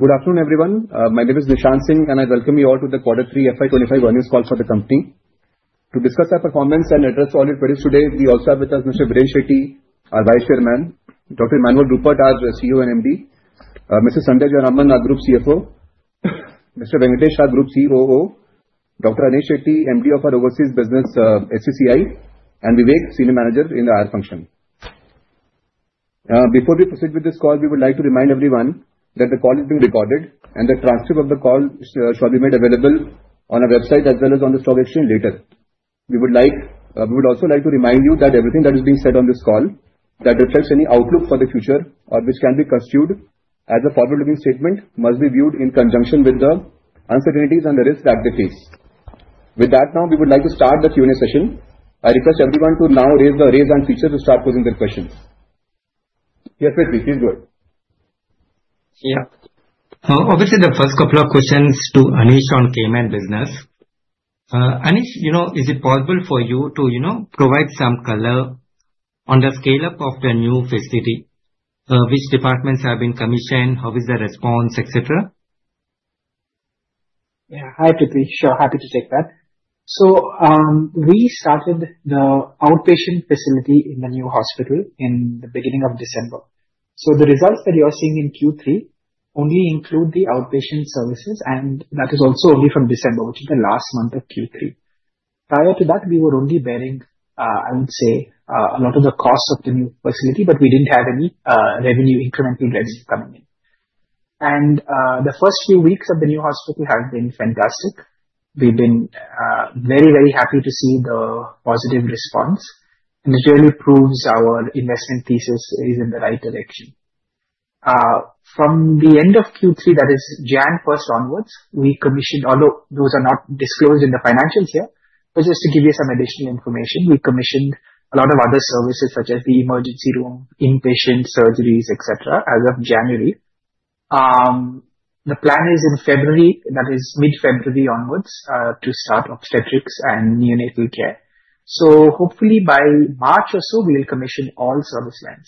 Good afternoon, everyone. My name is Nishant Singh, and I welcome you all to the quarter three FY25 earnings call for the company. To discuss our performance and address all the queries today, we also have with us Mr. Viren Shetty, our Vice Chairman, Dr. Emmanuel Rupert, our CEO and MD, Ms. Sandhya Jayaraman, our Group CFO, Mr. Venkatesh, our Group COO, Dr. Anesh Shetty, MD of our Overseas Business, HCCI, and Vivek, Senior Manager in the IR Function. Before we proceed with this call, we would like to remind everyone that the call is being recorded, and the transcript of the call shall be made available on our website as well as on the stock exchange later. We would also like to remind you that everything that is being said on this call, that reflects any outlook for the future or which can be construed as a forward-looking statement, must be viewed in conjunction with the uncertainties and the risks that they face. With that, now we would like to start the Q&A session. I request everyone to now raise the hand feature to start posing their questions. Yes, please go ahead. Yeah. Obviously, the first couple of questions to Anesh on Cayman business. Anesh, is it possible for you to provide some color on the scale-up of the new facility? Which departments have been commissioned? How is the response, etc.? Yeah, sure. Happy to take that, so we started the outpatient facility in the new hospital in the beginning of December. So the results that you are seeing in Q3 only include the outpatient services, and that is also only from December, which is the last month of Q3. Prior to that, we were only bearing, I would say, a lot of the costs of the new facility, but we didn't have any incremental revenue coming in, and the first few weeks of the new hospital have been fantastic. We've been very, very happy to see the positive response, and it really proves our investment thesis is in the right direction. From the end of Q3, that is January 1st onwards, we commissioned, although those are not disclosed in the financials here, but just to give you some additional information, we commissioned a lot of other services such as the emergency room, inpatient surgeries, etc., as of January. The plan is in February, that is mid-February onwards, to start obstetrics and neonatal care. So hopefully by March or so, we'll commission all service lines.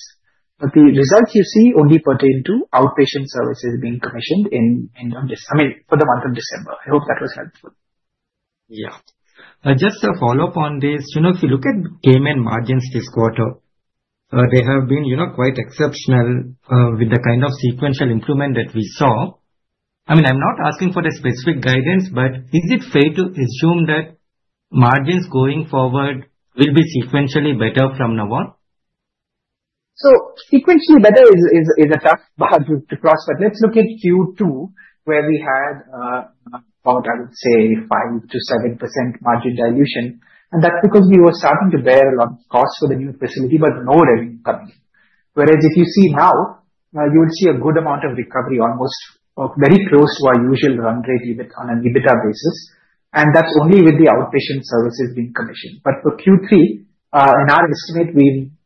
But the results you see only pertain to outpatient services being commissioned in the end of this, I mean, for the month of December. I hope that was helpful. Yeah. Just to follow up on this, if you look at Cayman margins this quarter, they have been quite exceptional with the kind of sequential improvement that we saw. I mean, I'm not asking for the specific guidance, but is it fair to assume that margins going forward will be sequentially better from now on? So sequentially better is a tough bar to cross, but let's look at Q2, where we had about, I would say, 5%-7% margin dilution. And that's because we were starting to bear a lot of costs for the new facility, but no revenue coming. Whereas if you see now, you would see a good amount of recovery, almost very close to our usual run rate on an EBITDA basis. And that's only with the outpatient services being commissioned. But for Q3, in our estimate,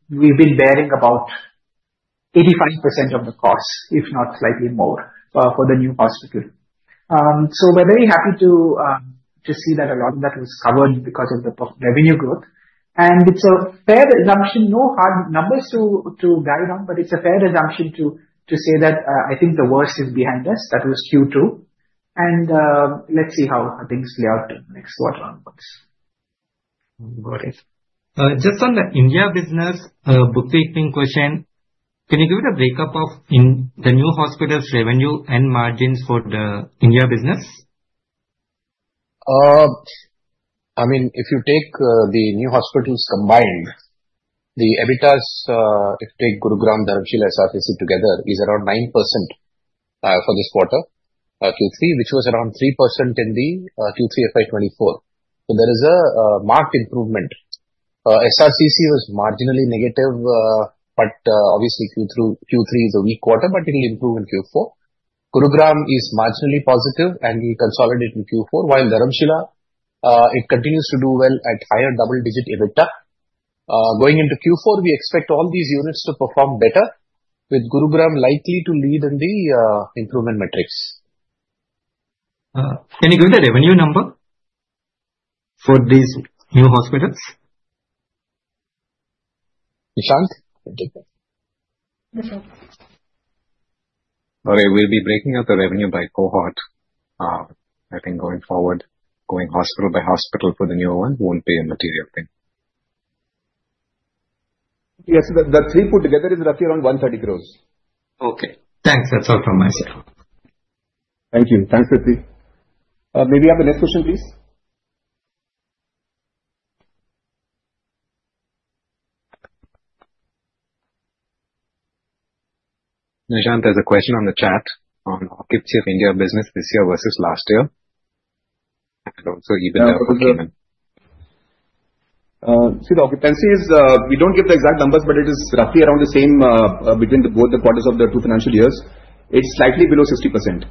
we've been bearing about 85% of the costs, if not slightly more, for the new hospital. So we're very happy to see that a lot of that was covered because of the revenue growth. And it's a fair assumption, no hard numbers to guide on, but it's a fair assumption to say that I think the worst is behind us. That was Q2. And let's see how things play out next quarter onwards. Got it. Just on the India business bookkeeping question, can you give it a breakdown of the new hospital's revenue and margins for the India business? I mean, if you take the new hospitals combined, the EBITDAs, if you take Gurugram, Dharamshila, SRCC together, is around 9% for this quarter, Q3, which was around 3% in the Q3 FY24. So there is a marked improvement. SRCC was marginally negative, but obviously Q3 is a weak quarter, but it will improve in Q4. Gurugram is marginally positive, and we consolidate in Q4, while Dharamshila, it continues to do well at higher double-digit EBITDA. Going into Q4, we expect all these units to perform better, with Gurugram likely to lead in the improvement metrics. Can you give the revenue number for these new hospitals? Nishant? Yes, sir. Sorry, we'll be breaking out the revenue by cohort. I think going forward, going hospital by hospital for the new one, won't be a material thing. Yes, the three put together is roughly around 130 crores. Okay. Thanks. That's all from my side. Thank you. Thanks, Ritvi. May we have the next question, please? Nishant, there's a question on the chat on occupancy of India business this year versus last year, and also EBITDA per patient. See, the occupancy is, we don't give the exact numbers, but it is roughly around the same between both the quarters of the two financial years. It's slightly below 60%.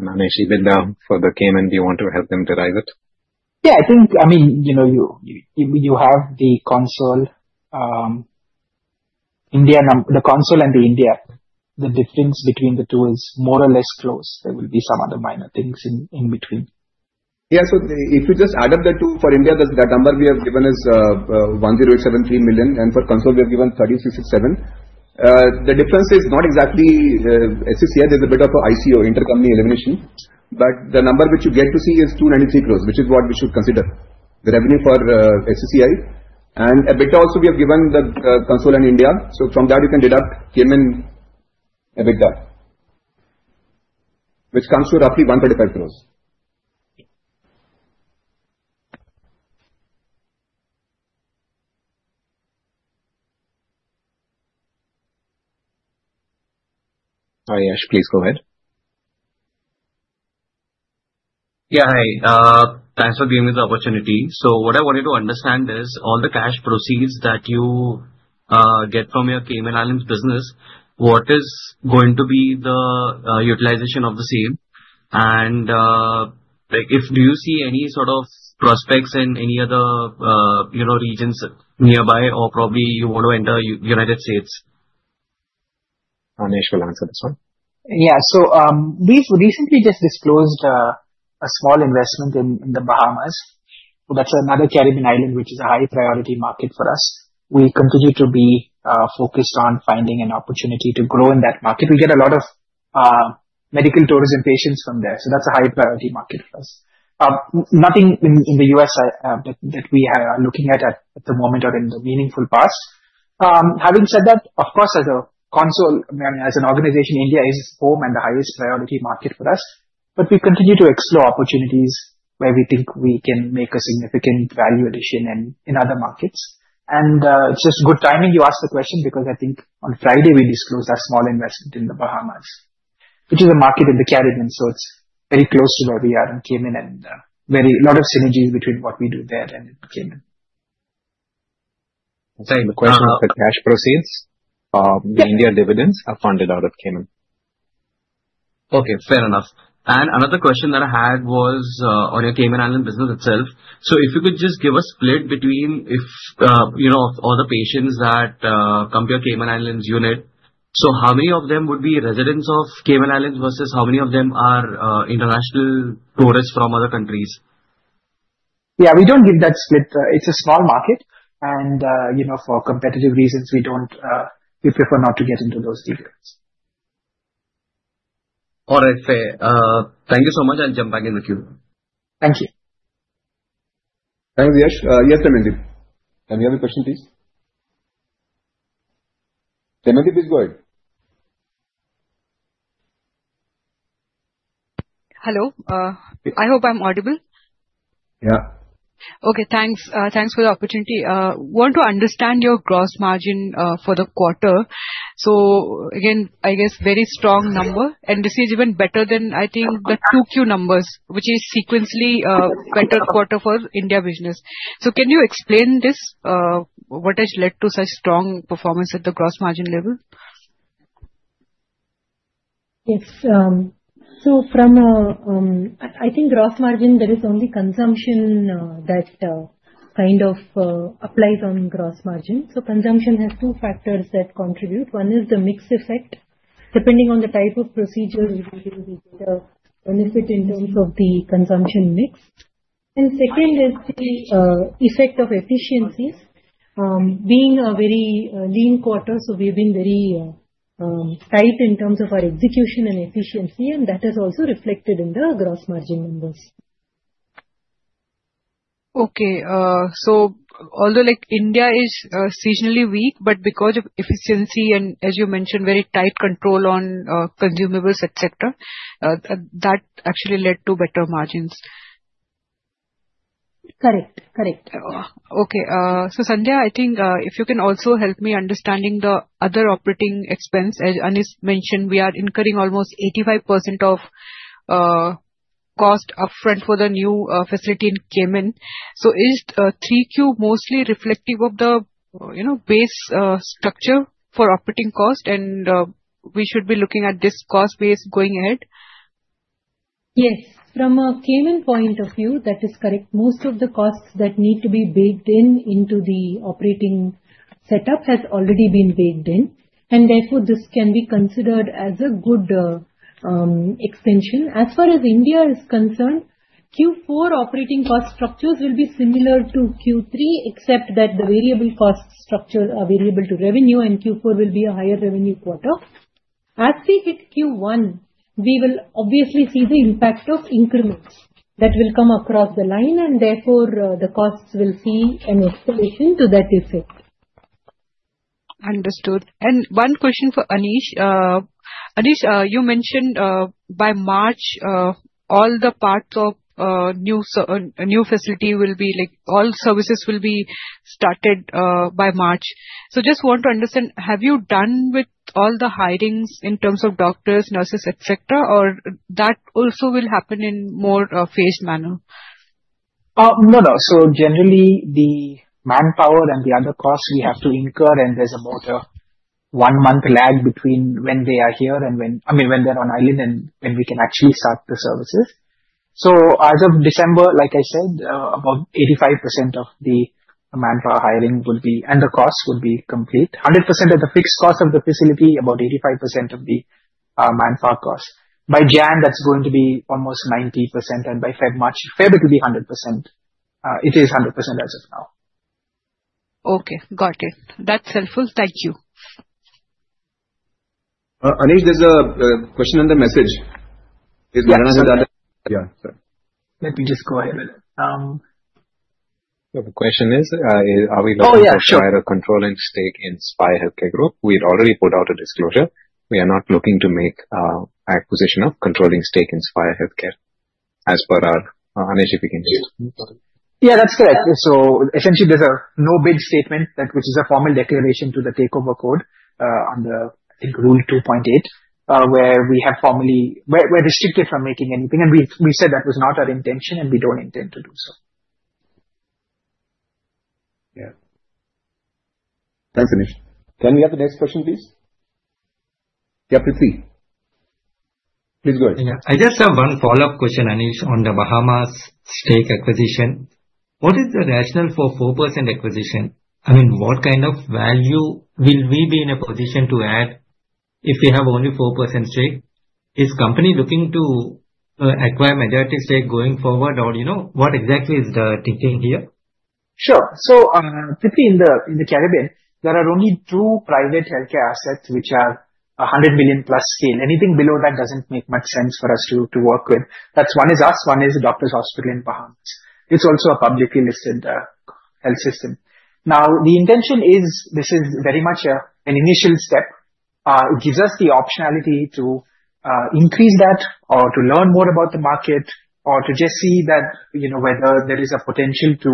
Anesh, even for the Cayman, do you want to help them derive it? Yeah, I think, I mean, you have the Cayman, India, the Cayman and India. The difference between the two is more or less close. There will be some other minor things in between. Yeah, so if you just add up the two for India, that number we have given is 10,873 million, and for consol, we have given 3,367. The difference is not exactly HCCI. There's a bit of an ICO, intercompany elimination. But the number which you get to see is 293 crores, which is what we should consider, the revenue for HCCI. And EBITDA also we have given the consol and India. So from that, you can deduct Cayman EBITDA, which comes to roughly 135 crores. Hi, Ash. Please go ahead. Yeah, hi. Thanks for giving me the opportunity. So what I wanted to understand is all the cash proceeds that you get from your Cayman Islands business, what is going to be the utilization of the same? And do you see any sort of prospects in any other regions nearby, or probably you want to enter the United States? Anesh will answer this one. Yeah, so we've recently just disclosed a small investment in the Bahamas. That's another Caribbean island, which is a high-priority market for us. We continue to be focused on finding an opportunity to grow in that market. We get a lot of medical tourism patients from there. So that's a high-priority market for us. Nothing in the U.S. that we are looking at at the moment or in the immediate past. Having said that, of course, as a whole, I mean, as an organization, India is home and the highest priority market for us. But we continue to explore opportunities where we think we can make a significant value addition in other markets. And it's just good timing you asked the question because I think on Friday we disclosed our small investment in the Bahamas, which is a market in the Caribbean. It's very close to where we are in Cayman and a lot of synergies between what we do there and Cayman. The question is the cash proceeds? The India dividends are funded out of Cayman. Okay, fair enough. And another question that I had was on your Cayman Islands business itself. So if you could just give a split between all the patients that come to your Cayman Islands unit. So how many of them would be residents of Cayman Islands versus how many of them are international tourists from other countries? Yeah, we don't give that split. It's a small market. And for competitive reasons, we prefer not to get into those details. All right, fair. Thank you so much. I'll jump back in the queue. Thank you. Thanks, Yash. Yes, Temendip. Tell me your question, please. Temendip is going. Hello. I hope I'm audible. Yeah. Okay, thanks. Thanks for the opportunity. I want to understand your gross margin for the quarter. So again, I guess very strong number. And this is even better than, I think, the two Q numbers, which is sequentially better quarter for India business. So can you explain this? What has led to such strong performance at the gross margin level? Yes. So from, I think, gross margin, there is only consumption that kind of applies on gross margin. So consumption has two factors that contribute. One is the mix effect, depending on the type of procedures, we get a benefit in terms of the consumption mix. And second is the effect of efficiencies. Being a very lean quarter, so we've been very tight in terms of our execution and efficiency, and that has also reflected in the gross margin numbers. Okay, so although India is seasonally weak, but because of efficiency and, as you mentioned, very tight control on consumables, etc., that actually led to better margins. Correct. Correct. Okay. So Sandhya, I think if you can also help me understanding the other operating expense, as Anesh mentioned, we are incurring almost 85% of cost upfront for the new facility in Cayman. So is 3Q mostly reflective of the base structure for operating cost, and we should be looking at this cost base going ahead? Yes. From a Cayman point of view, that is correct. Most of the costs that need to be baked into the operating setup have already been baked in, and therefore, this can be considered as a good extension. As far as India is concerned, Q4 operating cost structures will be similar to Q3, except that the variable cost structure is variable to revenue, and Q4 will be a higher revenue quarter. As we hit Q1, we will obviously see the impact of increments that will come across the line, and therefore, the costs will see an escalation to that effect. Understood. And one question for Anesh. Anesh, you mentioned by March all the parts of the new facility will be. All services will be started by March. So just want to understand, have you done with all the hirings in terms of doctors, nurses, etc., or that also will happen in a more phased manner? No, no. So generally, the manpower and the other costs we have to incur, and there's about a one-month lag between when they are here and when, I mean, when they're on island and when we can actually start the services. So as of December, like I said, about 85% of the manpower hiring would be, and the cost would be complete. 100% of the fixed cost of the facility, about 85% of the manpower cost. By January, that's going to be almost 90%, and by February, it will be 100%. It is 100% as of now. Okay. Got it. That's helpful. Thank you. Anesh, there's a question in the message. Is Narayana Hrudayalaya? Yeah, sorry. Let me just go ahead with it. The question is, are we looking to acquire a controlling stake in Spire Healthcare Group? We had already put out a disclosure. We are not looking to make acquisition of controlling stake in Spire Healthcare as per our Anesh if we can just. Yeah, that's correct. So essentially, there's a no-bid statement, which is a formal declaration to the takeover code on the, I think, rule 2.8, where we have formally we're restricted from making anything, and we said that was not our intention, and we don't intend to do so. Yeah. Thanks, Anesh. Can we have the next question, please? Yeah, Ritvi. Please go ahead. I just have one follow-up question, Anesh, on the Bahamas stake acquisition. What is the rationale for 4% acquisition? I mean, what kind of value will we be in a position to add if we have only 4% stake? Is the company looking to acquire majority stake going forward, or what exactly is the thinking here? Sure. So, Ritvi, in the Caribbean, there are only two private healthcare assets which are 100 million-plus scale. Anything below that doesn't make much sense for us to work with. That's one is us, one is the Doctors Hospital in Bahamas. It's also a publicly listed health system. Now, the intention is this is very much an initial step. It gives us the optionality to increase that or to learn more about the market or to just see that whether there is a potential to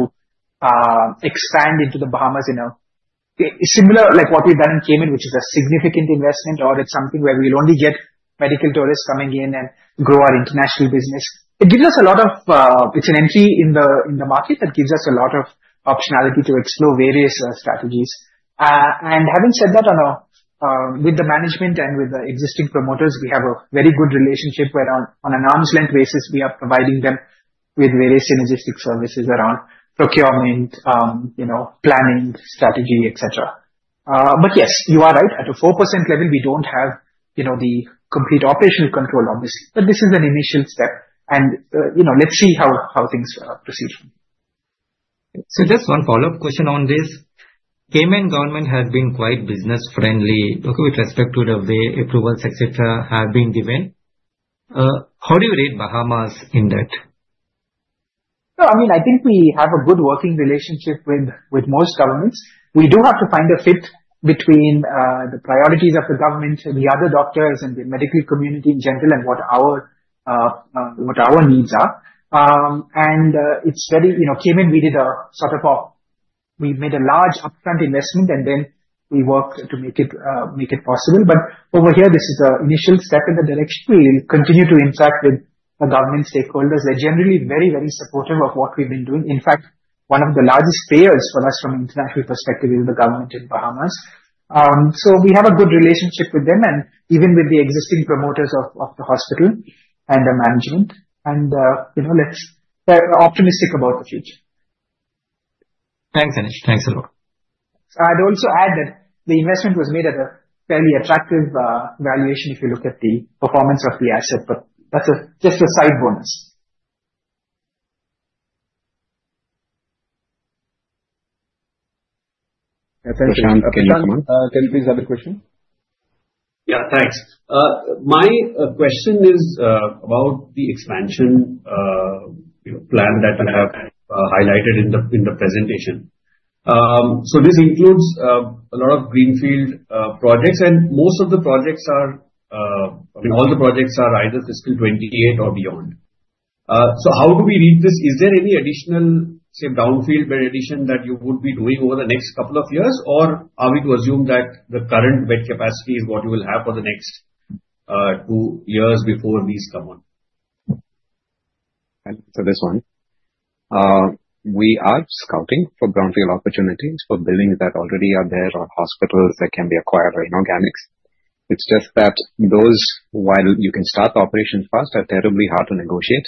expand into the Bahamas in a similar like what we've done in Cayman, which is a significant investment, or it's something where we'll only get medical tourists coming in and grow our international business. It gives us a lot of optionality. It's an entry in the market that gives us a lot of optionality to explore various strategies. And having said that, with the management and with the existing promoters, we have a very good relationship where on an arm's length basis, we are providing them with various synergistic services around procurement, planning, strategy, etc. But yes, you are right. At a 4% level, we don't have the complete operational control, obviously. But this is an initial step. And let's see how things proceed. So just one follow-up question on this. Cayman government has been quite business-friendly with respect to the way approvals, etc., have been given. How do you rate Bahamas in that? I mean, I think we have a good working relationship with most governments. We do have to find a fit between the priorities of the government, the other doctors, and the medical community in general and what our needs are. And it's very Cayman. We made a large upfront investment, and then we worked to make it possible. But over here, this is the initial step in the direction. We continue to interact with the government stakeholders. They're generally very, very supportive of what we've been doing. In fact, one of the largest payers for us from an international perspective is the government in Bahamas. So we have a good relationship with them and even with the existing promoters of the hospital and the management. And let's be optimistic about the future. Thanks, Anesh. Thanks a lot. I'd also add that the investment was made at a fairly attractive valuation if you look at the performance of the asset. But that's just a side bonus. Can you please have a question? Yeah, thanks. My question is about the expansion plan that you have highlighted in the presentation. So this includes a lot of greenfield projects, and most of the projects are I mean, all the projects are either fiscal 2028 or beyond. So how do we read this? Is there any additional, say, brownfield benefit that you would be doing over the next couple of years, or are we to assume that the current bed capacity is what you will have for the next two years before these come on? So this one. We are scouting for brownfield opportunities for buildings that already are there or hospitals that can be acquired or inorganics. It's just that those, while you can start the operation fast, are terribly hard to negotiate,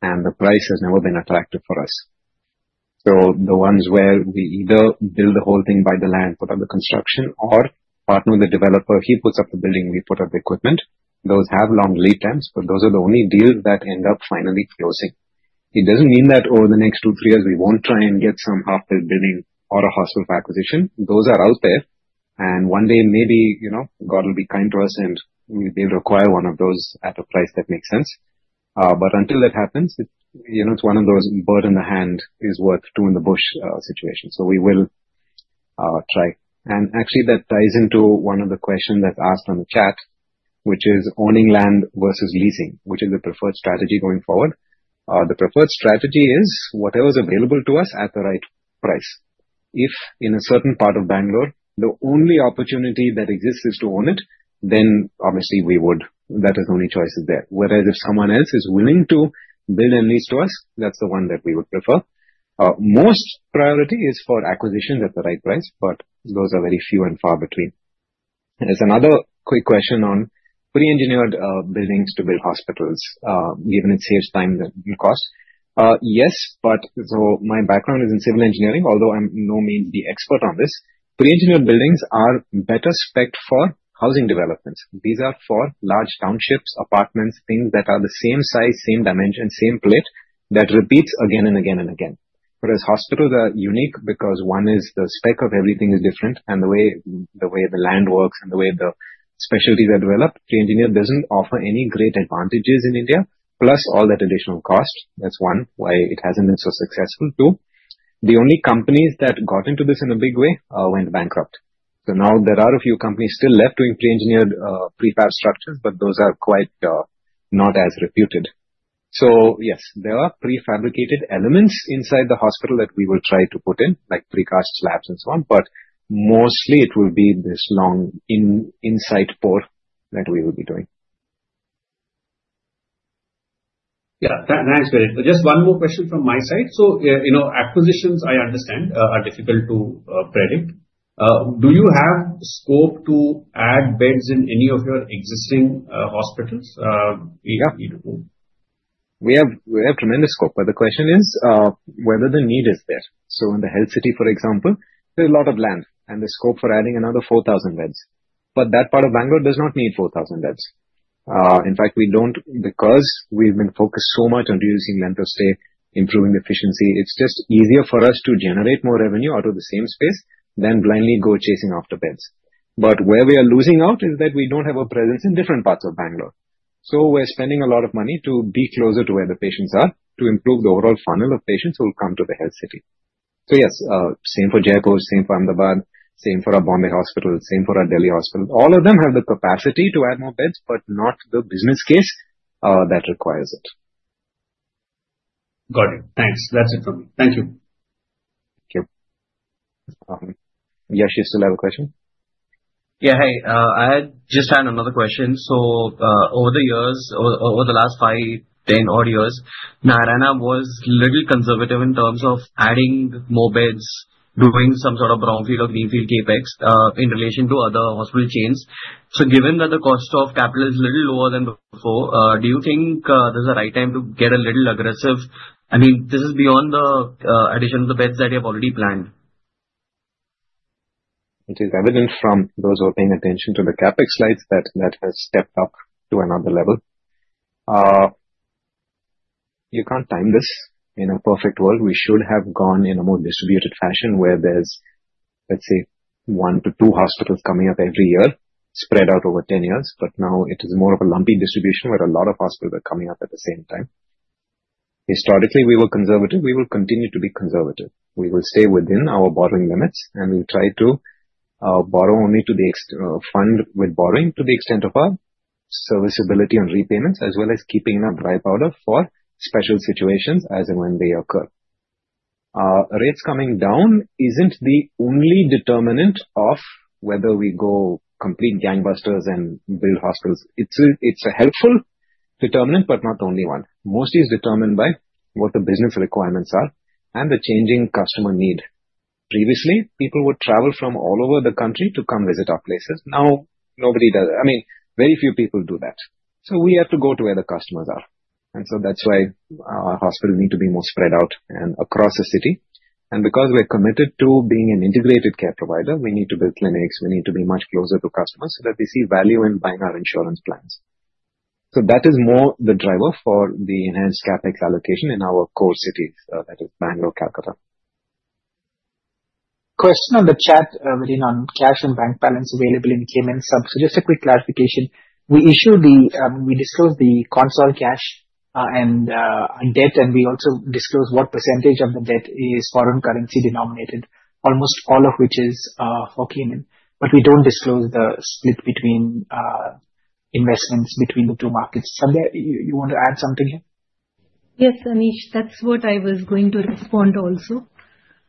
and the price has never been attractive for us. So the ones where we either build the whole thing by buying the land, put up the construction, or partner with the developer. He puts up the building. We put up the equipment. Those have long lead times, but those are the only deals that end up finally closing. It doesn't mean that over the next two or three years, we won't try and get some half-built building or a hospital for acquisition. Those are out there. And one day, maybe God will be kind to us, and we'll be able to acquire one of those at a price that makes sense. But until that happens, it's one of those bird-in-the-hand is worth two in the bush situation. So we will try. And actually, that ties into one of the questions that's asked on the chat, which is owning land versus leasing, which is the preferred strategy going forward. The preferred strategy is whatever's available to us at the right price. If in a certain part of Bangalore, the only opportunity that exists is to own it, then obviously we would. That is the only choice there. Whereas if someone else is willing to build and lease to us, that's the one that we would prefer. Most priority is for acquisition at the right price, but those are very few and far between. There's another quick question on pre-engineered buildings to build hospitals, given it saves time and cost. Yes, but so my background is in civil engineering, although I'm by no means the expert on this. Pre-engineered buildings are better specced for housing developments. These are for large townships, apartments, things that are the same size, same dimension, same plate that repeats again and again and again. Whereas hospitals are unique because one is the spec of everything is different, and the way the land works and the way the specialties are developed, pre-engineered doesn't offer any great advantages in India, plus all that additional cost. That's one why it hasn't been so successful. Two, the only companies that got into this in a big way went bankrupt. So now there are a few companies still left doing pre-engineered prefab structures, but those are not quite as reputed. So yes, there are prefabricated elements inside the hospital that we will try to put in, like precast slabs and so on, but mostly it will be this long inside pour that we will be doing. Yeah, thanks, Venkat. Just one more question from my side. So acquisitions, I understand, are difficult to predict. Do you have scope to add beds in any of your existing hospitals? Yeah. We have tremendous scope, but the question is whether the need is there. So in the Health City, for example, there's a lot of land and the scope for adding another 4,000 beds. But that part of Bangalore does not need 4,000 beds. In fact, we don't because we've been focused so much on reducing length of stay, improving efficiency. It's just easier for us to generate more revenue out of the same space than blindly go chasing after beds. But where we are losing out is that we don't have a presence in different parts of Bangalore. So we're spending a lot of money to be closer to where the patients are to improve the overall funnel of patients who will come to the Health City. So yes, same for Jaipur, same for Ahmedabad, same for our Bombay Hospital, same for our Delhi Hospital. All of them have the capacity to add more beds, but not the business case that requires it. Got it. Thanks. That's it from me. Thank you. Thank you. Yes, you still have a question? Yeah, hi. I just had another question. So over the years, over the last five, 10 odd years, Narayana Hrudayalaya was a little conservative in terms of adding more beds, doing some sort of brownfield or greenfield CapEx in relation to other hospital chains. So given that the cost of capital is a little lower than before, do you think there's a right time to get a little aggressive? I mean, this is beyond the addition of the beds that you have already planned. It is evident from those who are paying attention to the CapEx slides that that has stepped up to another level. You can't time this. In a perfect world, we should have gone in a more distributed fashion where there's, let's say, one to two hospitals coming up every year spread out over 10 years. But now it is more of a lumpy distribution where a lot of hospitals are coming up at the same time. Historically, we were conservative. We will continue to be conservative. We will stay within our borrowing limits, and we will try to borrow only to fund with borrowings to the extent of our serviceability on repayments, as well as keeping enough dry powder for special situations as and when they occur. Rates coming down isn't the only determinant of whether we go complete gangbusters and build hospitals. It's a helpful determinant, but not the only one. Mostly it's determined by what the business requirements are and the changing customer need. Previously, people would travel from all over the country to come visit our places. Now, nobody does. I mean, very few people do that. So we have to go to where the customers are. And so that's why our hospitals need to be more spread out and across the city. And because we're committed to being an integrated care provider, we need to build clinics. We need to be much closer to customers so that they see value in buying our insurance plans. So that is more the driver for the enhanced CapEx allocation in our core cities, that is, Bangalore, Calcutta. Question on the chat, Venkatesh, on cash and bank balance available in Cayman subs. So just a quick clarification. We disclose the consolidated cash and debt, and we also disclose what percentage of the debt is foreign currency denominated, almost all of which is for Cayman. But we don't disclose the split between investments between the two markets. Something you want to add something here? Yes, Anesh. That's what I was going to respond also.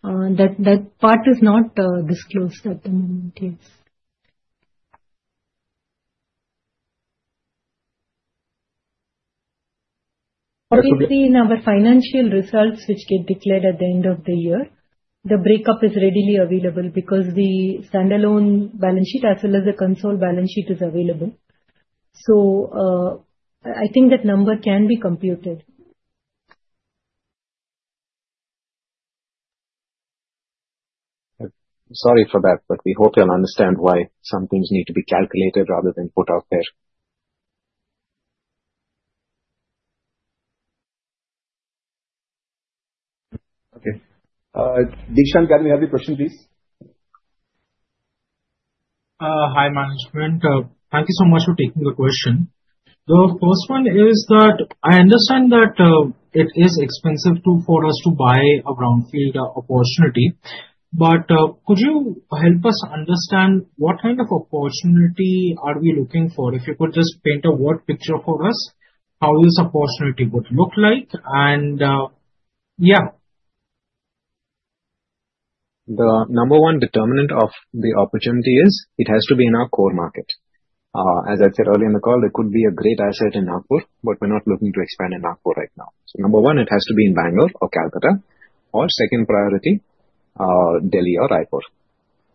That part is not disclosed at the moment, yes. Obviously, in our financial results, which get declared at the end of the year, the break-up is readily available because the standalone balance sheet as well as the consolidated balance sheet is available. So I think that number can be computed. Sorry for that, but we hope you can understand why some things need to be calculated rather than put out there. Okay. Dikshan, can we have the question, please? Hi, management. Thank you so much for taking the question. The first one is that I understand that it is expensive for us to buy a brownfield opportunity. But could you help us understand what kind of opportunity are we looking for? If you could just paint a word picture for us, how this opportunity would look like? And yeah. The number one determinant of the opportunity is it has to be in our core market. As I said earlier in the call, there could be a great asset in Nagpur, but we're not looking to expand in Nagpur right now. So number one, it has to be in Bangalore or Calcutta, or second priority, Delhi or Raipur.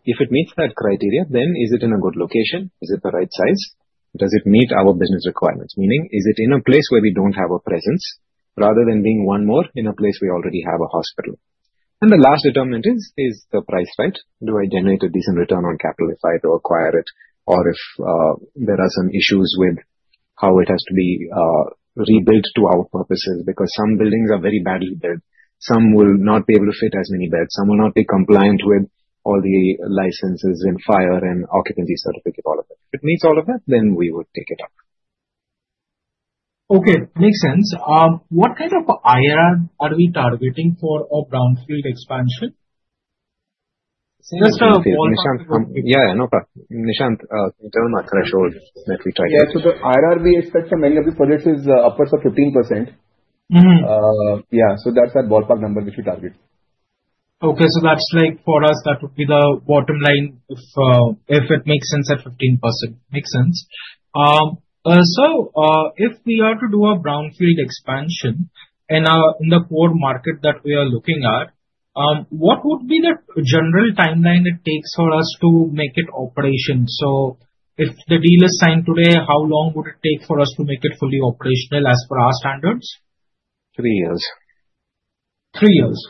If it meets that criteria, then is it in a good location? Is it the right size? Does it meet our business requirements? Meaning, is it in a place where we don't have a presence rather than being one more in a place we already have a hospital? And the last determinant is the price, right? Do I generate a decent return on capital if I do acquire it, or if there are some issues with how it has to be rebuilt to our purposes? Because some buildings are very badly built. Some will not be able to fit as many beds. Some will not be compliant with all the licenses and fire and occupancy certificate, all of that. If it meets all of that, then we would take it up. Okay. Makes sense. What kind of IRR are we targeting for a brownfield expansion? Just a ballpark. Yeah, Nishant, can you tell me my threshold that we try to? Yeah. So the IRR we expect for many of your projects is upwards of 15%. Yeah. So that's that ballpark number which we target. Okay. So that's like for us, that would be the bottom line if it makes sense at 15%. Makes sense. So if we are to do a brownfield expansion in the core market that we are looking at, what would be the general timeline it takes for us to make it operational? So if the deal is signed today, how long would it take for us to make it fully operational as per our standards? Three years. Three years,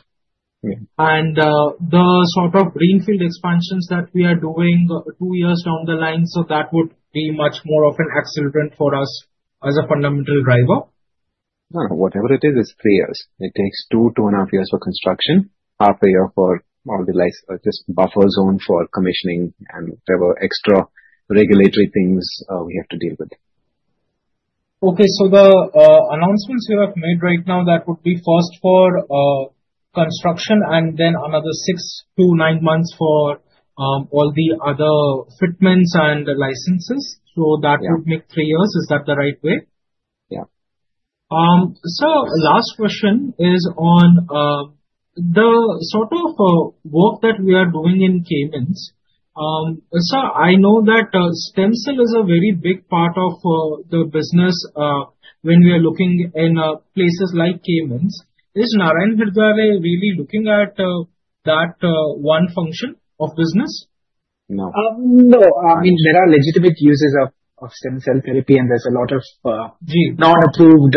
and the sort of greenfield expansions that we are doing two years down the line, so that would be much more of an accelerant for us as a fundamental driver? No, no. Whatever it is, it's three years. It takes two to two and a half years for construction, half a year for all the just buffer zone for commissioning and whatever extra regulatory things we have to deal with. Okay. So the announcements you have made right now, that would be first for construction and then another six to nine months for all the other fitments and licenses. So that would make three years. Is that the right way? Yeah. Last question is on the sort of work that we are doing in Cayman. I know that stem cell is a very big part of the business when we are looking in places like Cayman. Is Narayana Hrudayalaya really looking at that one function of business? No. I mean, there are legitimate uses of stem cell therapy, and there's a lot of non-approved,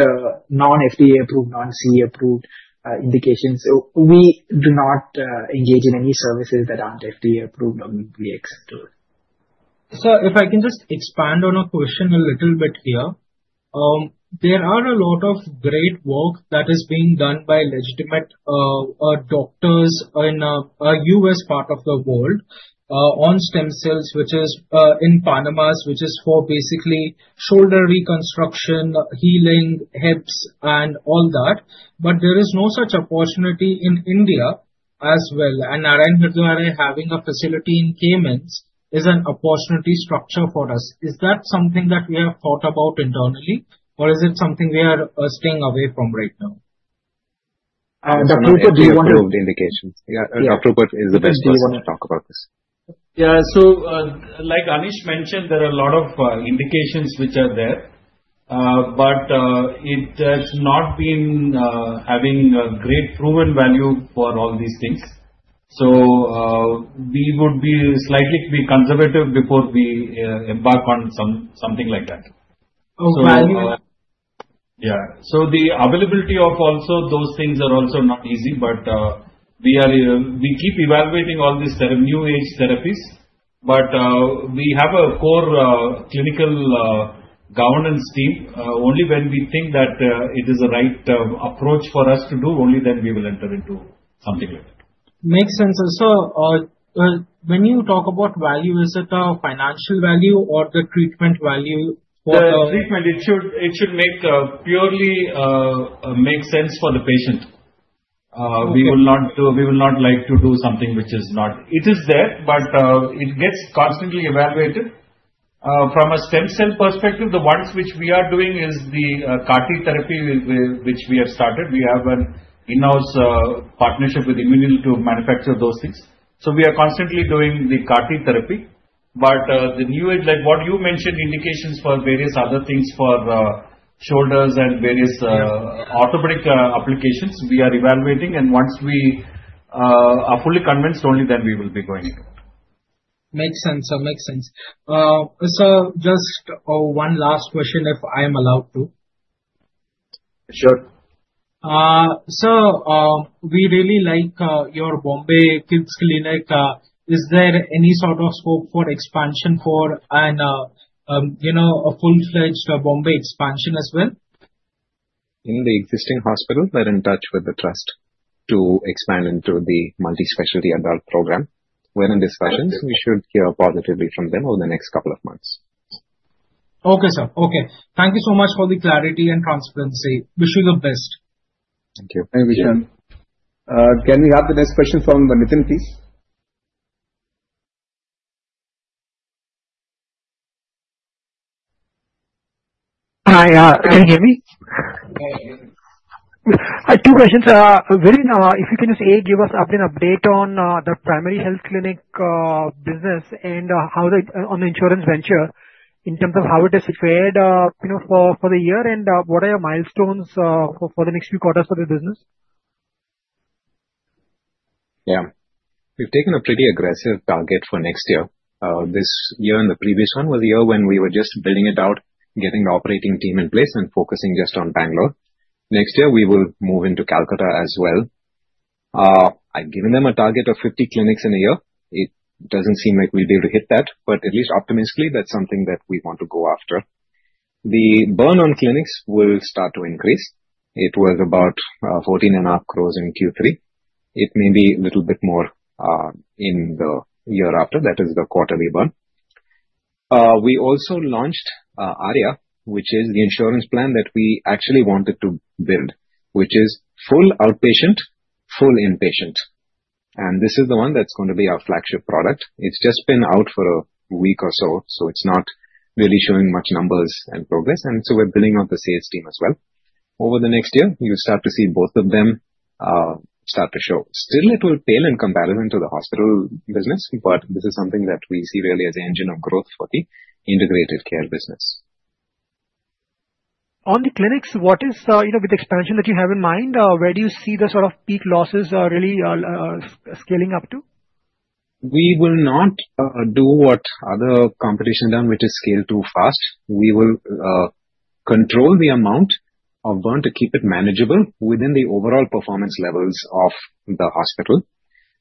non-FDA approved, non-CE approved indications. We do not engage in any services that aren't FDA approved or we accept those. So if I can just expand on a question a little bit here. There are a lot of great work that is being done by legitimate doctors in a US part of the world on stem cells, which is in Panama, which is for basically shoulder reconstruction, healing, hips, and all that. But there is no such opportunity in India as well. And Narayana Hrudayalaya having a facility in Cayman Islands is an opportunity structure for us. Is that something that we have thought about internally, or is it something we are staying away from right now? Dr. Rupert, do you want to? I think we've approved the indications. Yeah. Dr. Rupert is the best person. Yes. Do you want to talk about this? Yeah. So like Anesh mentioned, there are a lot of indications which are there, but it has not been having great proven value for all these things. So we would be slightly conservative before we embark on something like that. Oh, value? Yeah, so the availability of also those things are also not easy, but we keep evaluating all these new age therapies, but we have a core clinical governance team. Only when we think that it is the right approach for us to do, only then we will enter into something like that. Makes sense. And so when you talk about value, is it a financial value or the treatment value for the? Yeah, treatment. It should purely make sense for the patient. We will not like to do something which is not it is there, but it gets constantly evaluated. From a stem cell perspective, the ones which we are doing is the CAR-T therapy which we have started. We have an in-house partnership with Immuneel to manufacture those things. So we are constantly doing the CAR-T therapy. But the new age, like what you mentioned, indications for various other things for shoulders and various orthopedic applications, we are evaluating. And once we are fully convinced, only then we will be going into it. Makes sense. So just one last question if I am allowed to. Sure. So we really like your Bombay Kids Clinic. Is there any sort of scope for expansion for a full-fledged Bombay expansion as well? In the existing hospital, we're in touch with the trust to expand into the multi-specialty adult program. We're in discussions. We should hear positively from them over the next couple of months. Okay, sir. Okay. Thank you so much for the clarity and transparency. Wish you the best. Thank you. Thank you, Vishan. Can we have the next question from Venkat, please? Hi. Can you hear me? Yeah, I can hear you. Two questions. Venkat, if you can just give us an update on the primary health clinic business and on the insurance venture in terms of how it has fared for the year and what are your milestones for the next few quarters for the business? Yeah. We've taken a pretty aggressive target for next year. This year and the previous one was a year when we were just building it out, getting the operating team in place and focusing just on Bangalore. Next year, we will move into Calcutta as well. I've given them a target of 50 clinics in a year. It doesn't seem like we'll be able to hit that, but at least optimistically, that's something that we want to go after. The burn on clinics will start to increase. It was about 14.5 crores in Q3. It may be a little bit more in the year after. That is the quarterly burn. We also launched Arya, which is the insurance plan that we actually wanted to build, which is full outpatient, full inpatient. And this is the one that's going to be our flagship product. It's just been out for a week or so, so it's not really showing much numbers and progress, and so we're building out the sales team as well. Over the next year, you'll start to see both of them start to show. Still, it will pale in comparison to the hospital business, but this is something that we see really as an engine of growth for the integrated care business. On the clinics, what is with the expansion that you have in mind? Where do you see the sort of peak losses really scaling up to? We will not do what other competition has done, which is scale too fast. We will control the amount of burn to keep it manageable within the overall performance levels of the hospital.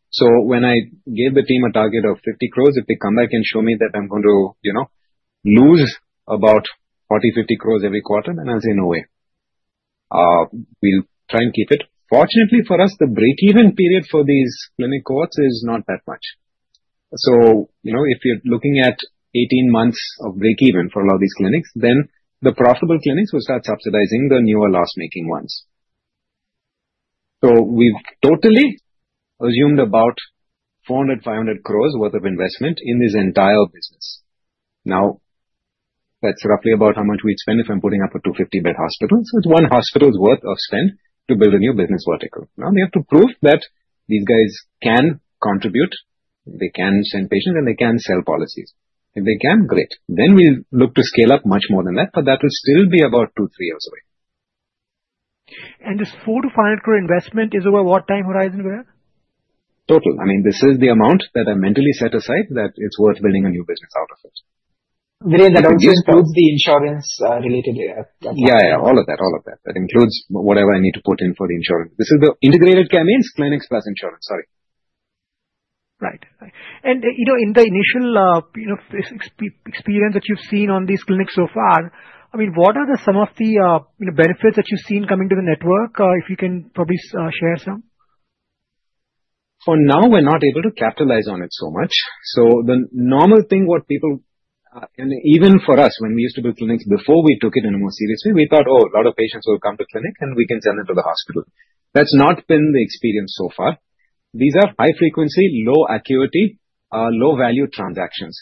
So when I gave the team a target of 50 crore, if they come back and show me that I'm going to lose about 40-50 crore every quarter, then I'll say no way. We'll try and keep it. Fortunately for us, the break-even period for these clinic cohorts is not that much. So if you're looking at 18 months of break-even for a lot of these clinics, then the profitable clinics will start subsidizing the newer loss-making ones. So we've totally assumed about 400-500 crore worth of investment in this entire business. Now, that's roughly about how much we'd spend if I'm putting up a 250-bed hospital. So it's one hospital's worth of spend to build a new business vertical. Now, we have to prove that these guys can contribute. They can send patients, and they can sell policies. If they can, great. Then we'll look to scale up much more than that, but that will still be about two, three years away. This INR four to 500 crore investment is over what time horizon? Total. I mean, this is the amount that I mentally set aside that it's worth building a new business out of it. That also includes the insurance-related? Yeah, yeah. All of that, all of that. That includes whatever I need to put in for the insurance. This is the integrated care, means clinics plus insurance, sorry. Right. And in the initial experience that you've seen on these clinics so far, I mean, what are some of the benefits that you've seen coming to the network, if you can probably share some? For now, we're not able to capitalize on it so much. So the normal thing what people and even for us, when we used to build clinics before we took it in a more serious way, we thought, "Oh, a lot of patients will come to clinic, and we can send them to the hospital." That's not been the experience so far. These are high-frequency, low-acuity, low-value transactions.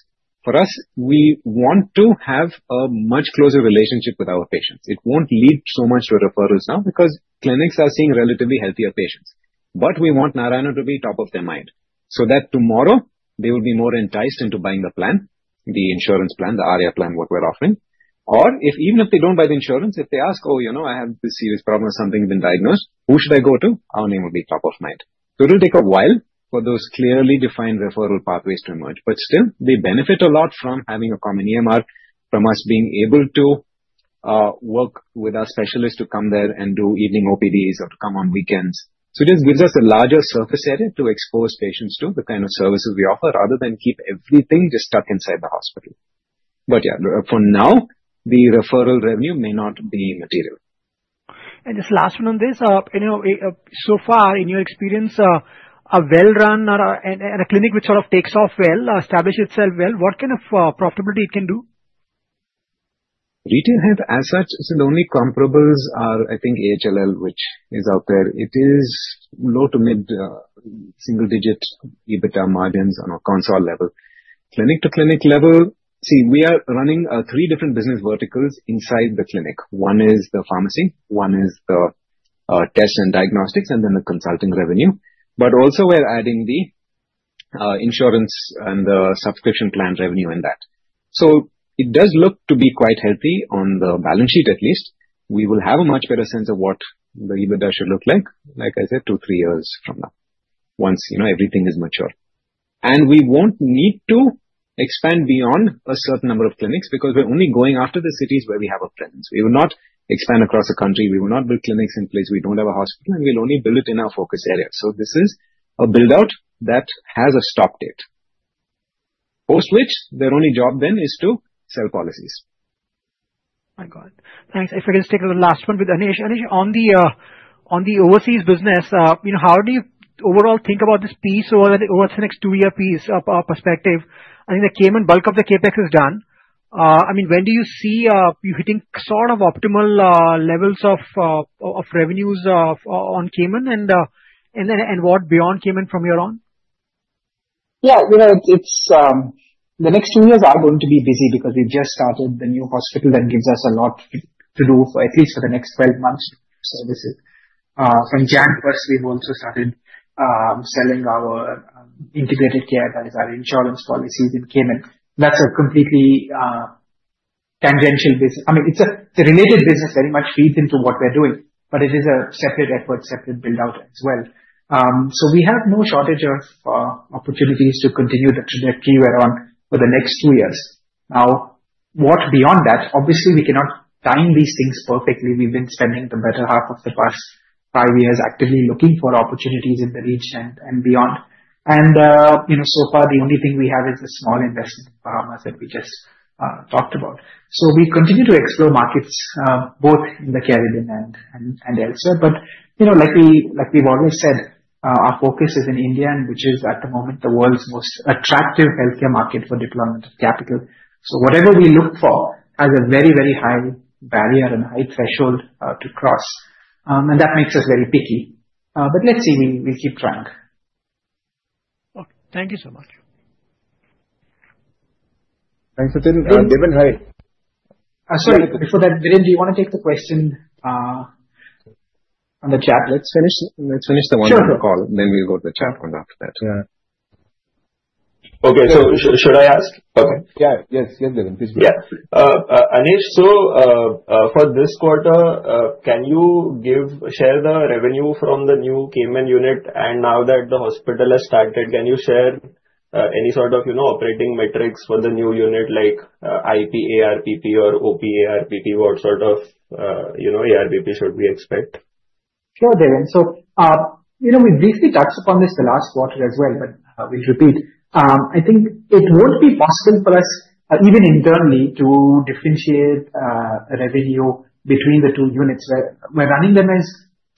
For us, we want to have a much closer relationship with our patients. It won't lead so much to referrals now because clinics are seeing relatively healthier patients. But we want Narayana to be top of their mind so that tomorrow they will be more enticed into buying the plan, the insurance plan, the ARYA plan, what we're offering. Or even if they don't buy the insurance, if they ask, "Oh, I have this serious problem, something's been diagnosed, who should I go to?" Our name will be top of mind. So it will take a while for those clearly defined referral pathways to emerge. But still, they benefit a lot from having a common EMR, from us being able to work with our specialists to come there and do evening OPDs or to come on weekends. So it just gives us a larger surface area to expose patients to the kind of services we offer, rather than keep everything just stuck inside the hospital. But yeah, for now, the referral revenue may not be material. And just last one on this. So far, in your experience, a well-run and a clinic which sort of takes off well, establishes itself well, what kind of profitability it can do? Retail health, as such, I think the only comparables are, I think, AHLL, which is out there. It is low- to mid-single-digit EBITDA margins on a consolidated level. Clinic-to-clinic level, see, we are running three different business verticals inside the clinic. One is the pharmacy, one is the test and diagnostics, and then the consultation revenue. But also, we're adding the insurance and the subscription plan revenue in that. So it does look to be quite healthy on the balance sheet, at least. We will have a much better sense of what the EBITDA should look like, like I said, two, three years from now, once everything is mature. We won't need to expand beyond a certain number of clinics because we're only going after the cities where we have a presence. We will not expand across a country. We will not build clinics in place. We don't have a hospital, and we'll only build it in our focus area. So this is a build-out that has a stop date. Post which, their only job then is to sell policies. My God. Thanks. I forgot to take the last one with Anesh. Anesh, on the overseas business, how do you overall think about this piece or what's the next two-year piece perspective? I think the Cayman bulk of the CapEx is done. I mean, when do you see you hitting sort of optimal levels of revenues on Cayman and what beyond Cayman from here on? Yeah. The next two years are going to be busy because we've just started the new hospital that gives us a lot to do, at least for the next 12 months. Services. From January 1st, we've also started selling our integrated care that is our insurance policies in Cayman. That's a completely tangential business. I mean, it's a related business very much feeds into what we're doing, but it is a separate effort, separate build-out as well. So we have no shortage of opportunities to continue the trajectory we're on for the next two years. Now, what beyond that? Obviously, we cannot time these things perfectly. We've been spending the better half of the past five years actively looking for opportunities in the region and beyond. And so far, the only thing we have is a small investment in pharma that we just talked about. So we continue to explore markets both in the Caribbean and elsewhere. But like we've always said, our focus is in India, which is at the moment the world's most attractive healthcare market for deployment of capital. So whatever we look for has a very, very high barrier and high threshold to cross. And that makes us very picky. But let's see. We'll keep trying. Thank you so much. Thanks, Venkat. Devin, hi. Sorry. Before that, Venkat, do you want to take the question on the chat? Let's finish the one-hour call, and then we'll go to the chat one after that. Yeah. Okay, so should I ask? Okay. Yeah. Yes. Yes, Devin. Please go ahead. Yeah. Anesh, so for this quarter, can you share the revenue from the new Cayman unit? And now that the hospital has started, can you share any sort of operating metrics for the new unit, like IP ARPP or OP ARPP? What sort of ARPP should we expect? Sure, Devin. So we briefly touched upon this the last quarter as well, but I will repeat. I think it won't be possible for us, even internally, to differentiate revenue between the two units. We're running them as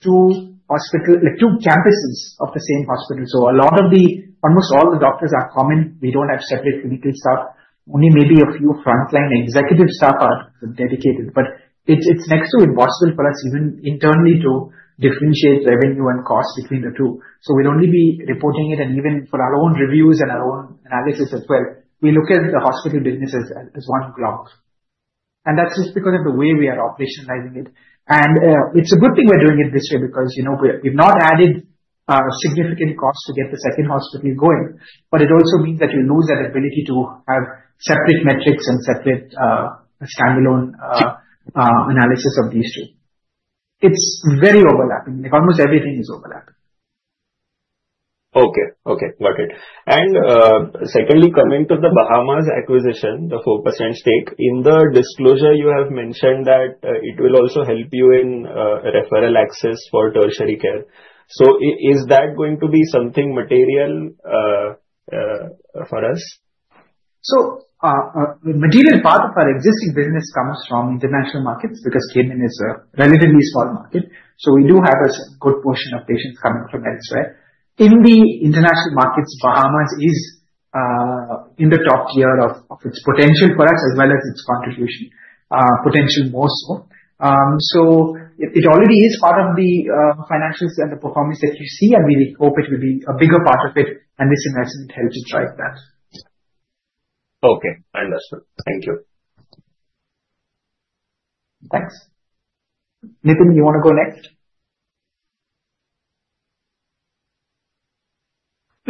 two campuses of the same hospital. So almost all the doctors are common. We don't have separate clinical staff. Only maybe a few frontline executive staff are dedicated. But it's next to impossible for us, even internally, to differentiate revenue and cost between the two. So we'll only be reporting it. And even for our own reviews and our own analysis as well, we look at the hospital business as one block. And that's just because of the way we are operationalizing it. And it's a good thing we're doing it this way because we've not added significant costs to get the second hospital going. But it also means that we lose that ability to have separate metrics and separate standalone analysis of these two. It's very overlapping. Almost everything is overlapping. Okay. Okay. Got it. And secondly, coming to the Bahamas acquisition, the 4% stake, in the disclosure, you have mentioned that it will also help you in referral access for tertiary care. So is that going to be something material for us? So the material part of our existing business comes from international markets because Cayman is a relatively small market. So we do have a good portion of patients coming from elsewhere. In the international markets, Bahamas is in the top tier of its potential for us as well as its contribution, potential more so. So it already is part of the financials and the performance that you see, and we hope it will be a bigger part of it. And this investment helps to strike that. Okay. I understood. Thank you. Thanks. Nithin, you want to go next?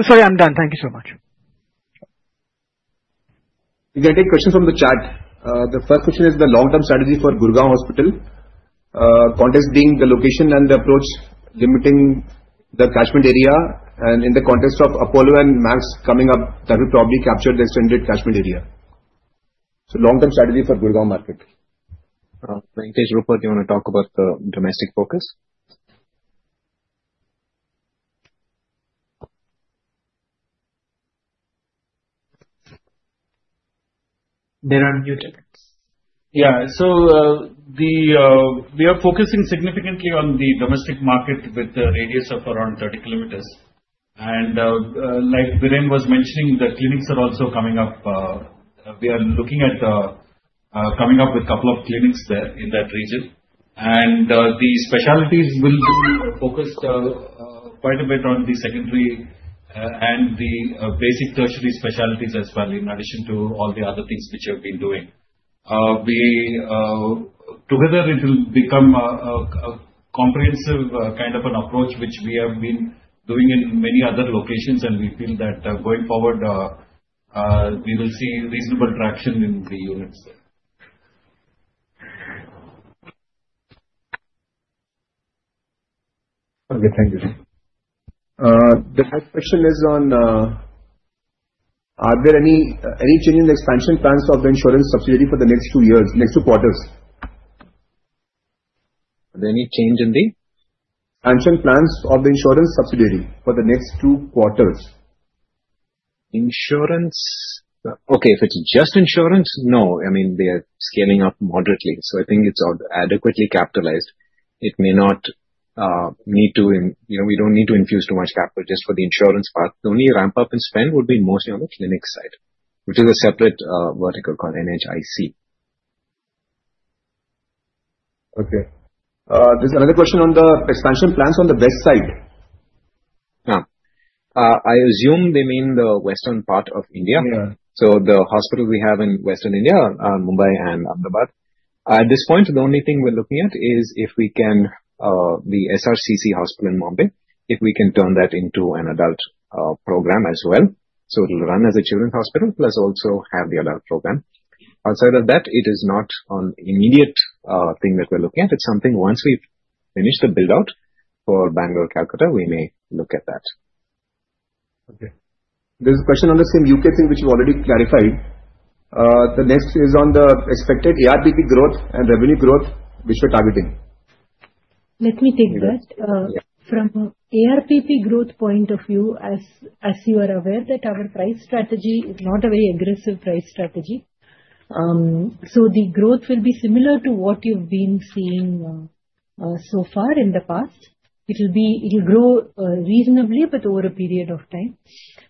Sorry, I'm done. Thank you so much. We're going to take questions from the chat. The first question is the long-term strategy for Gurugram Hospital, context being the location and the approach limiting the catchment area. And in the context of Apollo and Max coming up, that will probably capture the extended catchment area. So long-term strategy for Gurugram market. Emmanuel Rupert, you want to talk about the domestic focus? There are new techniques. Yeah, so we are focusing significantly on the domestic market with a radius of around 30 kilometers, and like Viren was mentioning, the clinics are also coming up. We are looking at coming up with a couple of clinics there in that region, and the specialties will be focused quite a bit on the secondary and the basic tertiary specialties as well, in addition to all the other things which we have been doing. Together, it will become a comprehensive kind of an approach, which we have been doing in many other locations, and we feel that going forward, we will see reasonable traction in the units there. Okay. Thank you. The next question is on, are there any change in the expansion plans of the insurance subsidiary for the next two years, next two quarters? Are there any change in the? Expansion plans of the insurance subsidiary for the next two quarters? Insurance? Okay. If it's just insurance, no. I mean, they are scaling up moderately. So I think it's adequately capitalized. It may not need to. We don't need to infuse too much capital just for the insurance part. The only ramp-up and spend would be mostly on the clinic side, which is a separate vertical called NHIC. Okay. There's another question on the expansion plans on the west side. Now, I assume they mean the western part of India. So the hospitals we have in western India, Mumbai and Ahmedabad, at this point, the only thing we're looking at is if we can turn the SRCC hospital in Mumbai into an adult program as well. So it'll run as a children's hospital, plus also have the adult program. Outside of that, it is not an immediate thing that we're looking at. It's something once we finish the build-out for Bangalore, Calcutta, we may look at that. Okay. There's a question on the same U.K. thing which you've already clarified. The next is on the expected ARPP growth and revenue growth, which we're targeting. Let me take that. From ARPP growth point of view, as you are aware, that our price strategy is not a very aggressive price strategy. So the growth will be similar to what you've been seeing so far in the past. It will grow reasonably, but over a period of time.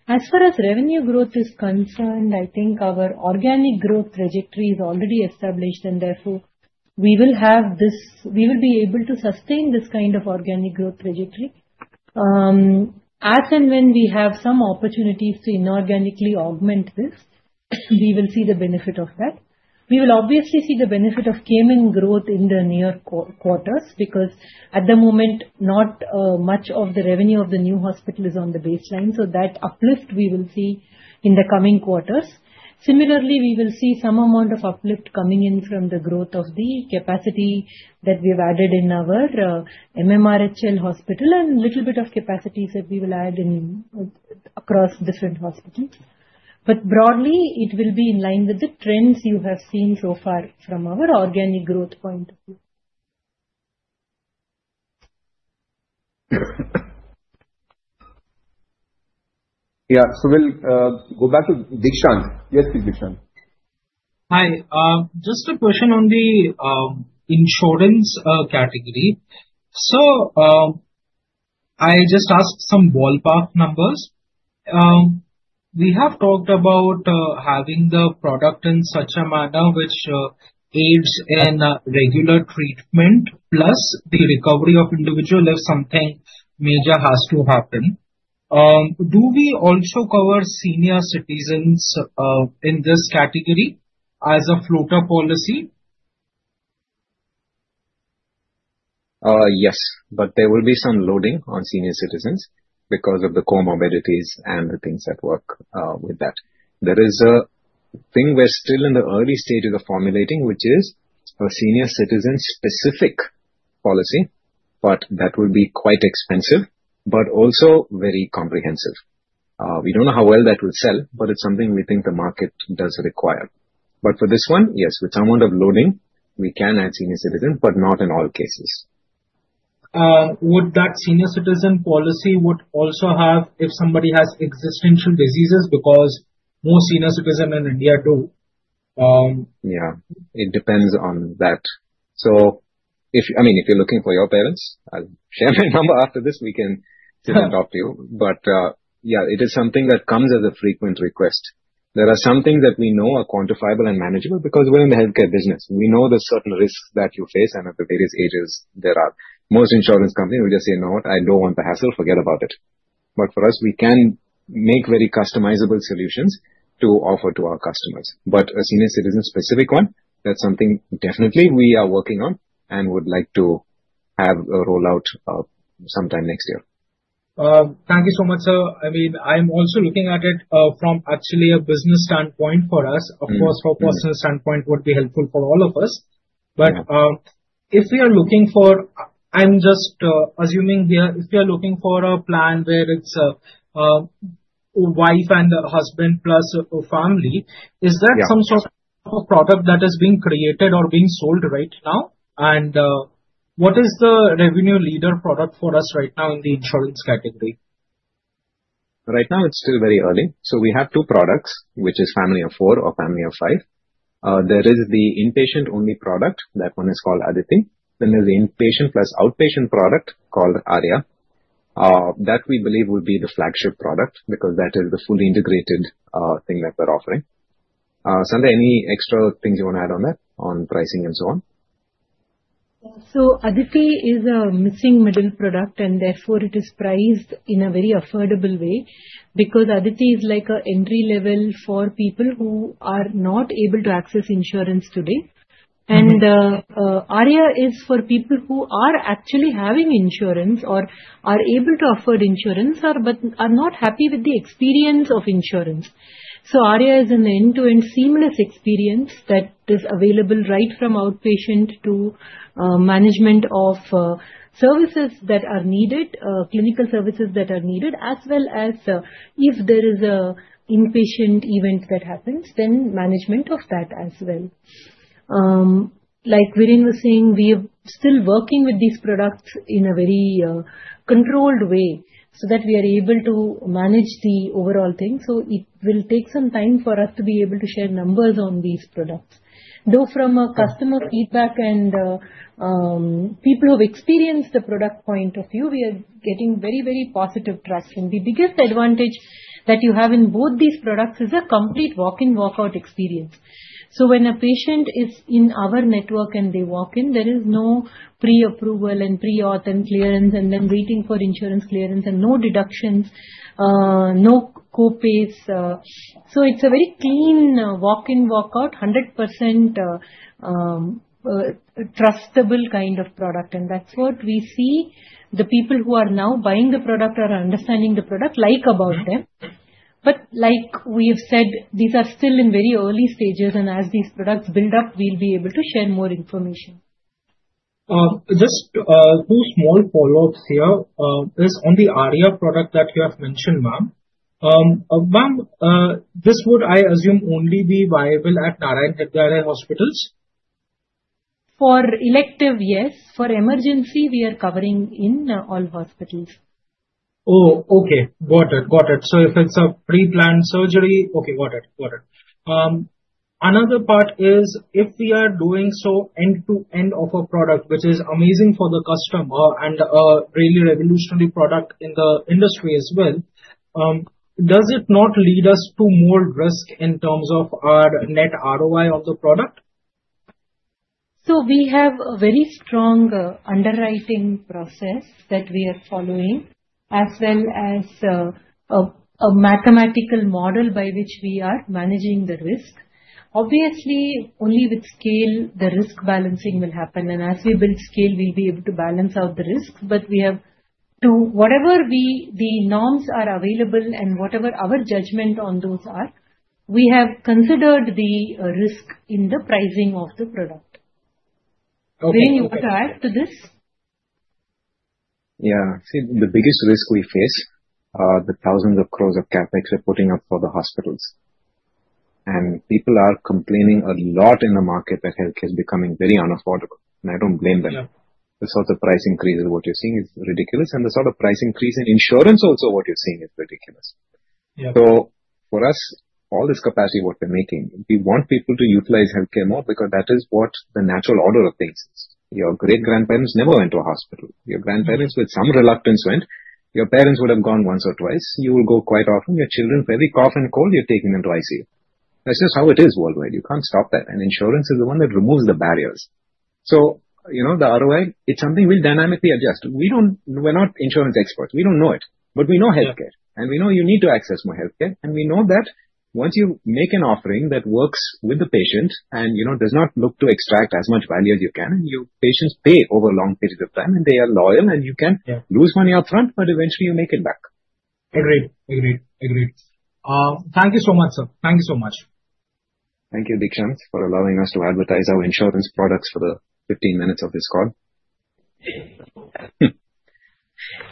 As far as revenue growth is concerned, I think our organic growth trajectory is already established, and therefore, we will be able to sustain this kind of organic growth trajectory. As and when we have some opportunities to inorganically augment this, we will see the benefit of that. We will obviously see the benefit of Cayman growth in the near quarters because at the moment, not much of the revenue of the new hospital is on the baseline. So that uplift, we will see in the coming quarters. Similarly, we will see some amount of uplift coming in from the growth of the capacity that we have added in our MMRHL hospital and a little bit of capacities that we will add across different hospitals. But broadly, it will be in line with the trends you have seen so far from our organic growth point of view. Yeah. So we'll go back to Dikshant. Yes, please, Dikshant. Hi. Just a question on the insurance category. So I just asked some ballpark numbers. We have talked about having the product in such a manner which aids in regular treatment, plus the recovery of individual if something major has to happen. Do we also cover senior citizens in this category as a floater policy? Yes. But there will be some loading on senior citizens because of the comorbidities and the things that work with that. There is a thing we're still in the early stages of formulating, which is a senior citizen-specific policy, but that will be quite expensive, but also very comprehensive. We don't know how well that will sell, but it's something we think the market does require. But for this one, yes, with some amount of loading, we can add senior citizens, but not in all cases. Would that senior citizen policy also have if somebody has pre-existing diseases? Because most senior citizens in India do. Yeah. It depends on that. So I mean, if you're looking for your parents, I'll share my number after this. We can sit and talk to you. But yeah, it is something that comes as a frequent request. There are some things that we know are quantifiable and manageable because we're in the healthcare business. We know the certain risks that you face and at the various ages there are. Most insurance companies will just say, "No, I don't want the hassle. Forget about it." But for us, we can make very customizable solutions to offer to our customers. But a senior citizen-specific one, that's something definitely we are working on and would like to have a rollout sometime next year. Thank you so much, sir. I mean, I'm also looking at it from actually a business standpoint for us. Of course, from a personal standpoint, it would be helpful for all of us. But if we are looking for I'm just assuming here, if we are looking for a plan where it's a wife and a husband plus a family, is that some sort of product that is being created or being sold right now? And what is the revenue leader product for us right now in the insurance category? Right now, it's still very early. So we have two products, which is Family of Four or Family of Five. There is the inpatient-only product. That one is called Aditi. Then there's the inpatient plus outpatient product called ARYA. That we believe will be the flagship product because that is the fully integrated thing that we're offering. Sandhya, any extra things you want to add on that, on pricing and so on? So Aditi is a missing middle product, and therefore, it is priced in a very affordable way because Aditi is like an entry-level for people who are not able to access insurance today. And ARYA is for people who are actually having insurance or are able to afford insurance but are not happy with the experience of insurance. So ARYA is an end-to-end seamless experience that is available right from outpatient to management of services that are needed, clinical services that are needed, as well as if there is an inpatient event that happens, then management of that as well. Like Viren was saying, we are still working with these products in a very controlled way so that we are able to manage the overall thing. So it will take some time for us to be able to share numbers on these products. Though from customer feedback and people who have experienced the product point of view, we are getting very, very positive traction. The biggest advantage that you have in both these products is a complete walk-in and walk-out experience. So when a patient is in our network and they walk in, there is no pre-approval and pre-auth and clearance and then waiting for insurance clearance and no deductions, no copays. So it's a very clean walk-in and walk-out, 100% trustable kind of product. And that's what we see the people who are now buying the product or understanding the product like about them. But like we have said, these are still in very early stages. And as these products build up, we'll be able to share more information. Just two small follow-ups here. There's only ARYA product that you have mentioned, ma'am. Ma'am, this would, I assume, only be viable at Narayana Health Hospitals? For elective, yes. For emergency, we are covering in all hospitals. Oh, okay. Got it. So if it's a pre-planned surgery, okay. Got it. Another part is if we are doing so end-to-end of a product, which is amazing for the customer and a really revolutionary product in the industry as well, does it not lead us to more risk in terms of our net ROI on the product? So we have a very strong underwriting process that we are following as well as a mathematical model by which we are managing the risk. Obviously, only with scale, the risk balancing will happen. And as we build scale, we'll be able to balance out the risks. But we have to, whatever the norms are available and whatever our judgment on those are, we have considered the risk in the pricing of the product. Viren, you want to add to this? Yeah. See, the biggest risk we face, the thousands of crores of CapEx we're putting up for the hospitals, and people are complaining a lot in the market that healthcare is becoming very unaffordable, and I don't blame them. The sort of price increases what you're seeing is ridiculous, and the sort of price increase in insurance also what you're seeing is ridiculous. So for us, all this capacity what we're making, we want people to utilize healthcare more because that is what the natural order of things is. Your great-grandparents never went to a hospital. Your grandparents with some reluctance went. Your parents would have gone once or twice. You will go quite often. Your children, for every cough and cold, you're taking them to ICU. That's just how it is worldwide. You can't stop that, and insurance is the one that removes the barriers. So the ROI, it's something we'll dynamically adjust. We're not insurance experts. We don't know it. But we know healthcare. And we know you need to access more healthcare. And we know that once you make an offering that works with the patient and does not look to extract as much value as you can, and your patients pay over a long period of time, and they are loyal, and you can lose money upfront, but eventually, you make it back. Agreed. Agreed. Agreed. Thank you so much, sir. Thank you so much. Thank you, Nishant, for allowing us to advertise our insurance products for the 15 minutes of this call. Yeah.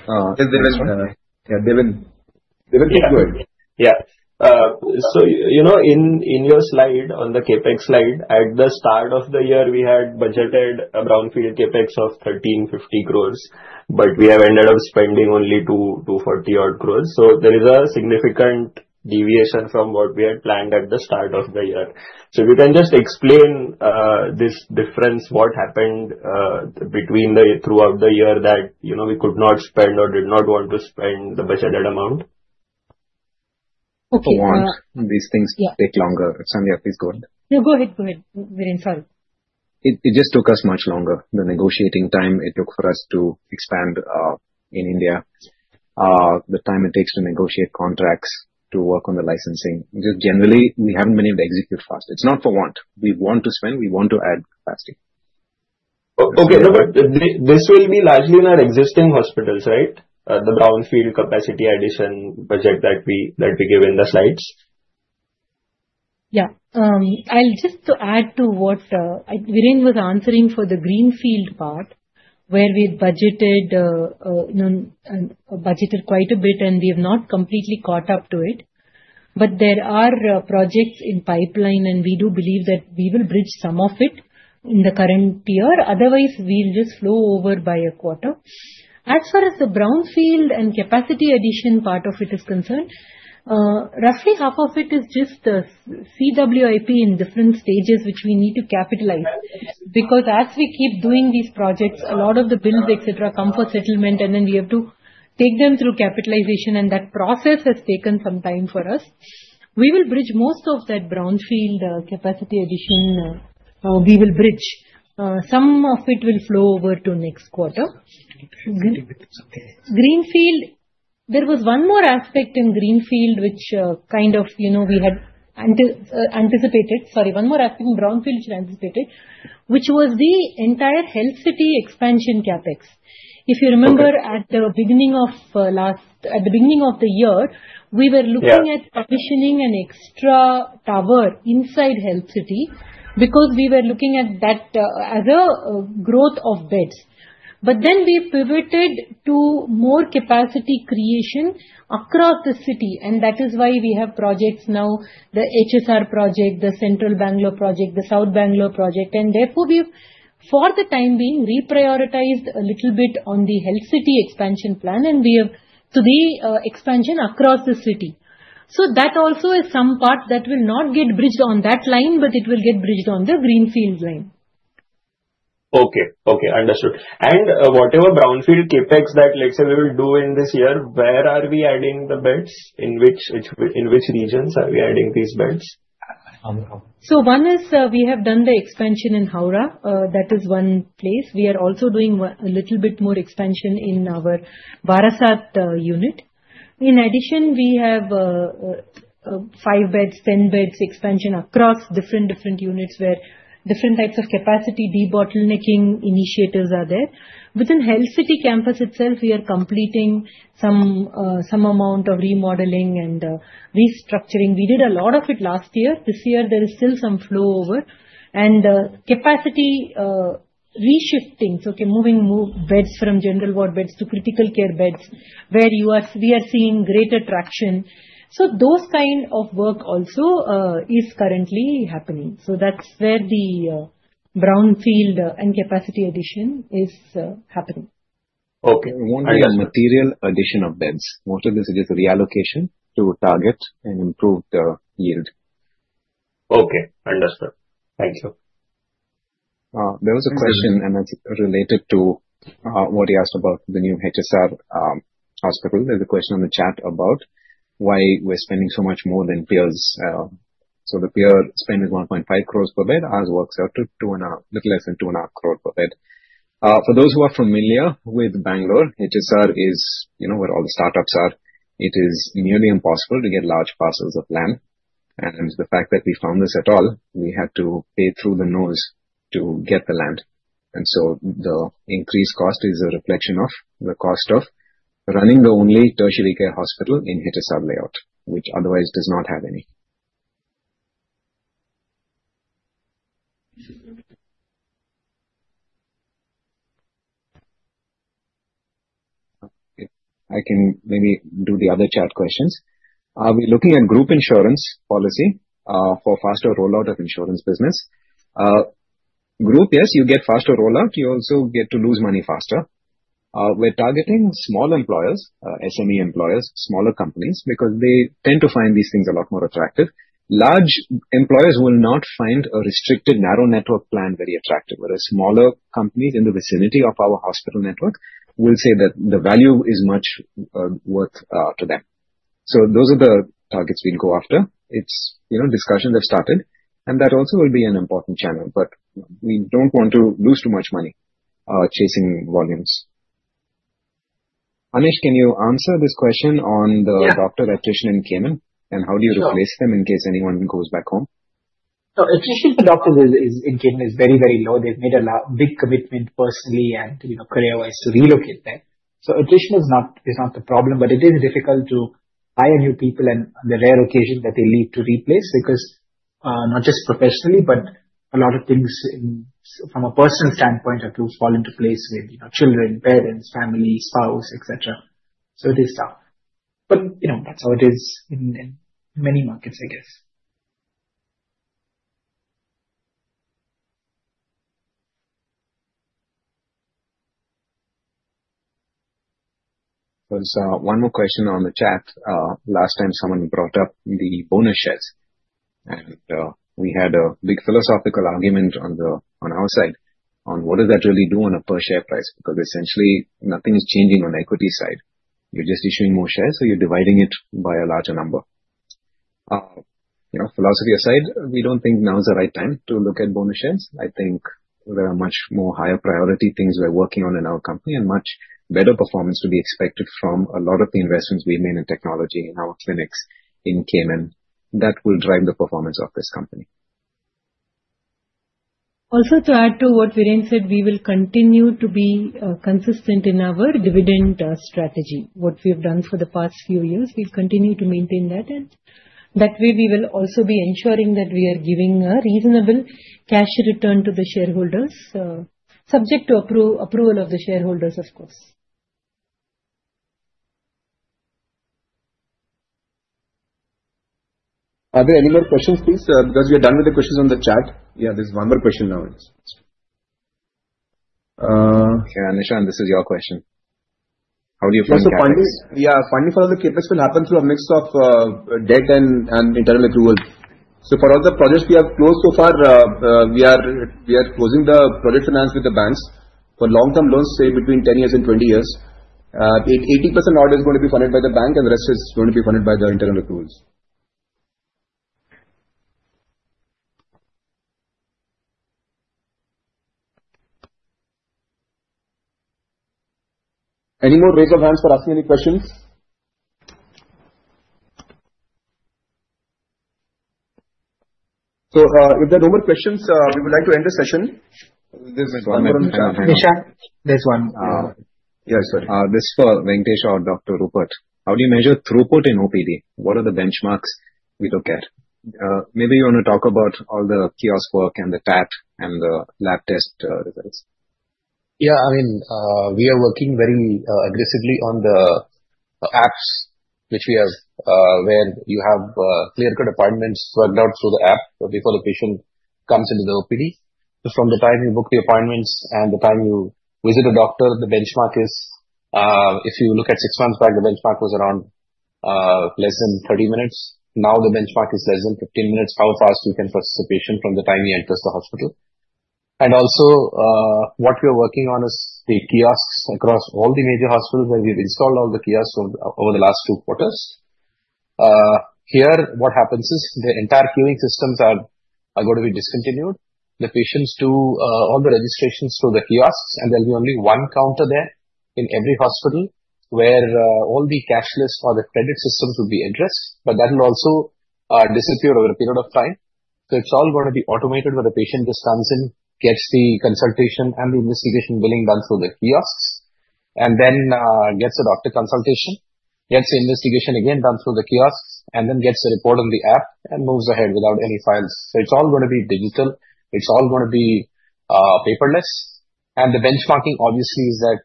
Yeah. Devi, Devi, go ahead. Yeah. So in your slide on the CapEx slide, at the start of the year, we had budgeted a brownfield CapEx of 1,350 crores, but we have ended up spending only 240-odd crores. So there is a significant deviation from what we had planned at the start of the year. So if you can just explain this difference, what happened throughout the year that we could not spend or did not want to spend the budgeted amount? Okay. For one, these things take longer. Sandhya, please go ahead. No, go ahead. Go ahead, Viren. Sorry. It just took us much longer. The negotiating time it took for us to expand in India, the time it takes to negotiate contracts to work on the licensing. Just generally, we haven't been able to execute fast. It's not for want. We want to spend. We want to add capacity. Okay. No, but this will be largely in our existing hospitals, right? The brownfield capacity addition budget that we give in the slides. Yeah. Just to add to what Viren was answering for the greenfield part, where we had budgeted quite a bit, and we have not completely caught up to it. But there are projects in pipeline, and we do believe that we will bridge some of it in the current year. Otherwise, we'll just flow over by a quarter. As far as the brownfield and capacity addition part of it is concerned, roughly half of it is just CWIP in different stages, which we need to capitalize. Because as we keep doing these projects, a lot of the bills, etc., come for settlement, and then we have to take them through capitalization, and that process has taken some time for us. We will bridge most of that brownfield capacity addition. We will bridge. Some of it will flow over to next quarter. Okay. It's okay. Greenfield, there was one more aspect in greenfield which kind of we had anticipated. Sorry. One more aspect in brownfield which we anticipated, which was the entire Health City expansion CapEx. If you remember, at the beginning of the year, we were looking at commissioning an extra tower inside Health City because we were looking at that as a growth of beds. But then we pivoted to more capacity creation across the city. And that is why we have projects now, the HSR project, the Central Bangalore project, the South Bangalore project. And therefore, we have, for the time being, reprioritized a little bit on the Health City expansion plan. And we have today expansion across the city. So that also is some part that will not get bridged on that line, but it will get bridged on the greenfield line. Okay. Okay. Understood. And whatever brownfield CapEx that, let's say, we will do in this year, where are we adding the beds? In which regions are we adding these beds? One is we have done the expansion in Howrah. That is one place. We are also doing a little bit more expansion in our Barasat unit. In addition, we have five beds, 10 beds expansion across different units where different types of capacity debottlenecking initiatives are there. Within Health City campus itself, we are completing some amount of remodeling and restructuring. We did a lot of it last year. This year, there is still some flow over. And capacity reshifting, so moving beds from general ward beds to critical care beds, where we are seeing greater traction. So those kind of work also is currently happening. So that's where the brownfield and capacity addition is happening. Okay. One more thing. Material addition of beds. Most of this is just reallocation to target and improve the yield. Okay. Understood. Thank you. There was a question, and that's related to what he asked about the new HSR hospital. There's a question in the chat about why we're spending so much more than peers. So the peer spend is 1.5 crores per bed as works out to a little less than 2.5 crore per bed. For those who are familiar with Bangalore, HSR is where all the startups are. It is nearly impossible to get large parcels of land. And the fact that we found this at all, we had to pay through the nose to get the land. And so the increased cost is a reflection of the cost of running the only tertiary care hospital in HSR Layout, which otherwise does not have any. I can maybe do the other chat questions. Are we looking at group insurance policy for faster rollout of insurance business? Group, yes, you get faster rollout. You also get to lose money faster. We're targeting small employers, SME employers, smaller companies because they tend to find these things a lot more attractive. Large employers will not find a restricted narrow network plan very attractive, whereas smaller companies in the vicinity of our hospital network will say that the value is much worth to them. So those are the targets we'll go after. Discussions have started. And that also will be an important channel. But we don't want to lose too much money chasing volumes. Anesh, can you answer this question on the doctor attrition in Cayman? And how do you replace them in case anyone goes back home? So attrition for doctors in Cayman is very, very low. They've made a big commitment personally and career-wise to relocate there. So attrition is not the problem, but it is difficult to hire new people on the rare occasion that they leave to replace because not just professionally, but a lot of things from a personal standpoint have to fall into place with children, parents, family, spouse, etc. So they stop. But that's how it is in many markets, I guess. There's one more question on the chat. Last time, someone brought up the bonus shares, and we had a big philosophical argument on our side on what does that really do on a per-share price because essentially, nothing is changing on the equity side. You're just issuing more shares, so you're dividing it by a larger number. Philosophy aside, we don't think now is the right time to look at bonus shares. I think there are much more higher priority things we're working on in our company and much better performance to be expected from a lot of the investments we've made in technology in our clinics in Cayman that will drive the performance of this company. Also, to add to what Viren said, we will continue to be consistent in our dividend strategy, what we have done for the past few years. We'll continue to maintain that. And that way, we will also be ensuring that we are giving a reasonable cash return to the shareholders, subject to approval of the shareholders, of course. Are there any more questions, please? Because we are done with the questions on the chat. Yeah, there's one more question now. Okay. Anesh, this is your question. How do you plan to? Yeah. Funding for all the CapEx will happen through a mix of debt and internal accrual. So for all the projects we have closed so far, we are closing the project finance with the banks for long-term loans, say, between 10 years and 20 years. 80% of it is going to be funded by the bank, and the rest is going to be funded by the internal accruals. Any more raise of hands for asking any questions? So if there are no more questions, we would like to end the session. Anesh, there's one. Yeah, sorry. This is for Venkatesh or Dr. Rupert. How do you measure throughput in OPD? What are the benchmarks we look at? Maybe you want to talk about all the kiosk work and the TAT and the lab test results. Yeah. I mean, we are working very aggressively on the apps, which we have where you have clear-cut appointments worked out through the app before the patient comes into the OPD. So from the time you book the appointments and the time you visit a doctor, the benchmark is if you look at six months back, the benchmark was around less than 30 minutes. Now, the benchmark is less than 15 minutes how fast we can process a patient from the time he enters the hospital. And also, what we are working on is the kiosks across all the major hospitals where we've installed all the kiosks over the last two quarters. Here, what happens is the entire queuing systems are going to be discontinued. The patients do all the registrations through the kiosks, and there'll be only one counter there in every hospital where all the cashless or the credit systems will be addressed, but that will also disappear over a period of time, so it's all going to be automated where the patient just comes in, gets the consultation and the investigation billing done through the kiosks, and then gets a doctor consultation, gets the investigation again done through the kiosks, and then gets the report on the app and moves ahead without any files, so it's all going to be digital. It's all going to be paperless, and the benchmarking, obviously, is that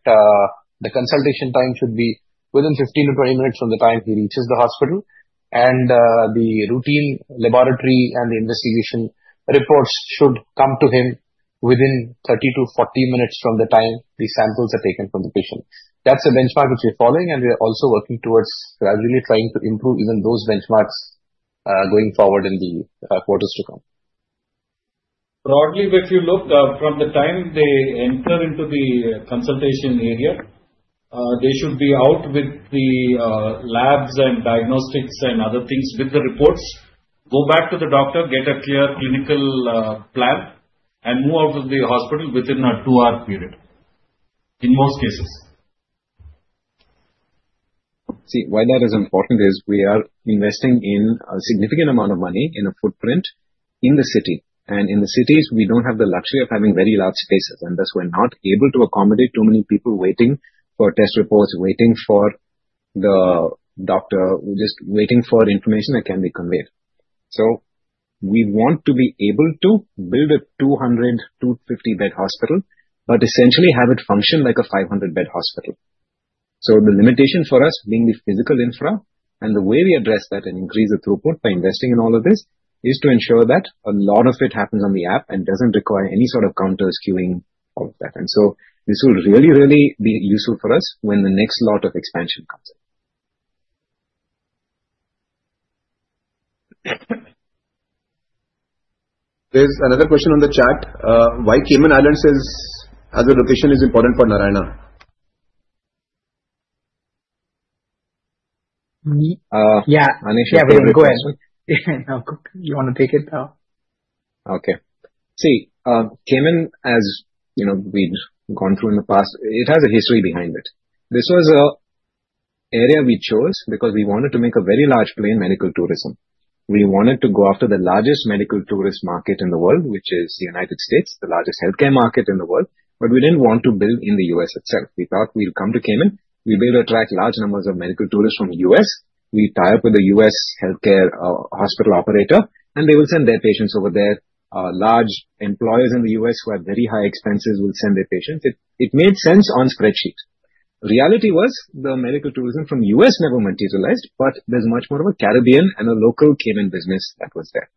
the consultation time should be within 15-20 minutes from the time he reaches the hospital. The routine laboratory and the investigation reports should come to him within 30-40 minutes from the time the samples are taken from the patient. That's a benchmark which we're following, and we're also working towards gradually trying to improve even those benchmarks going forward in the quarters to come. Broadly, if you look from the time they enter into the consultation area, they should be out with the labs and diagnostics and other things with the reports, go back to the doctor, get a clear clinical plan, and move out of the hospital within a two-hour period in most cases. See, why that is important is we are investing in a significant amount of money in a footprint in the city. And in the cities, we don't have the luxury of having very large spaces. And thus, we're not able to accommodate too many people waiting for test reports, waiting for the doctor, just waiting for information that can be conveyed. So we want to be able to build a 200-250-bed hospital, but essentially have it function like a 500-bed hospital. So the limitation for us being the physical infra, and the way we address that and increase the throughput by investing in all of this is to ensure that a lot of it happens on the app and doesn't require any sort of counters, queuing, all of that. And so this will really, really be useful for us when the next lot of expansion comes in. There's another question on the chat. Why Cayman Islands as a location is important for Narayana? Yeah. Anesh, go ahead. You want to take it? Okay. See, Cayman, as we've gone through in the past, it has a history behind it. This was an area we chose because we wanted to make a very large planned medical tourism. We wanted to go after the largest medical tourist market in the world, which is the United States, the largest healthcare market in the world. But we didn't want to build in the U.S. itself. We thought we'd come to Cayman, we'd be able to attract large numbers of medical tourists from the U.S., we'd tie up with the U.S. healthcare hospital operator, and they will send their patients over there. Large employers in the U.S. who have very high expenses will send their patients. It made sense on spreadsheet. Reality was the medical tourism from the U.S. never materialized, but there's much more of a Caribbean and a local Cayman business that was there.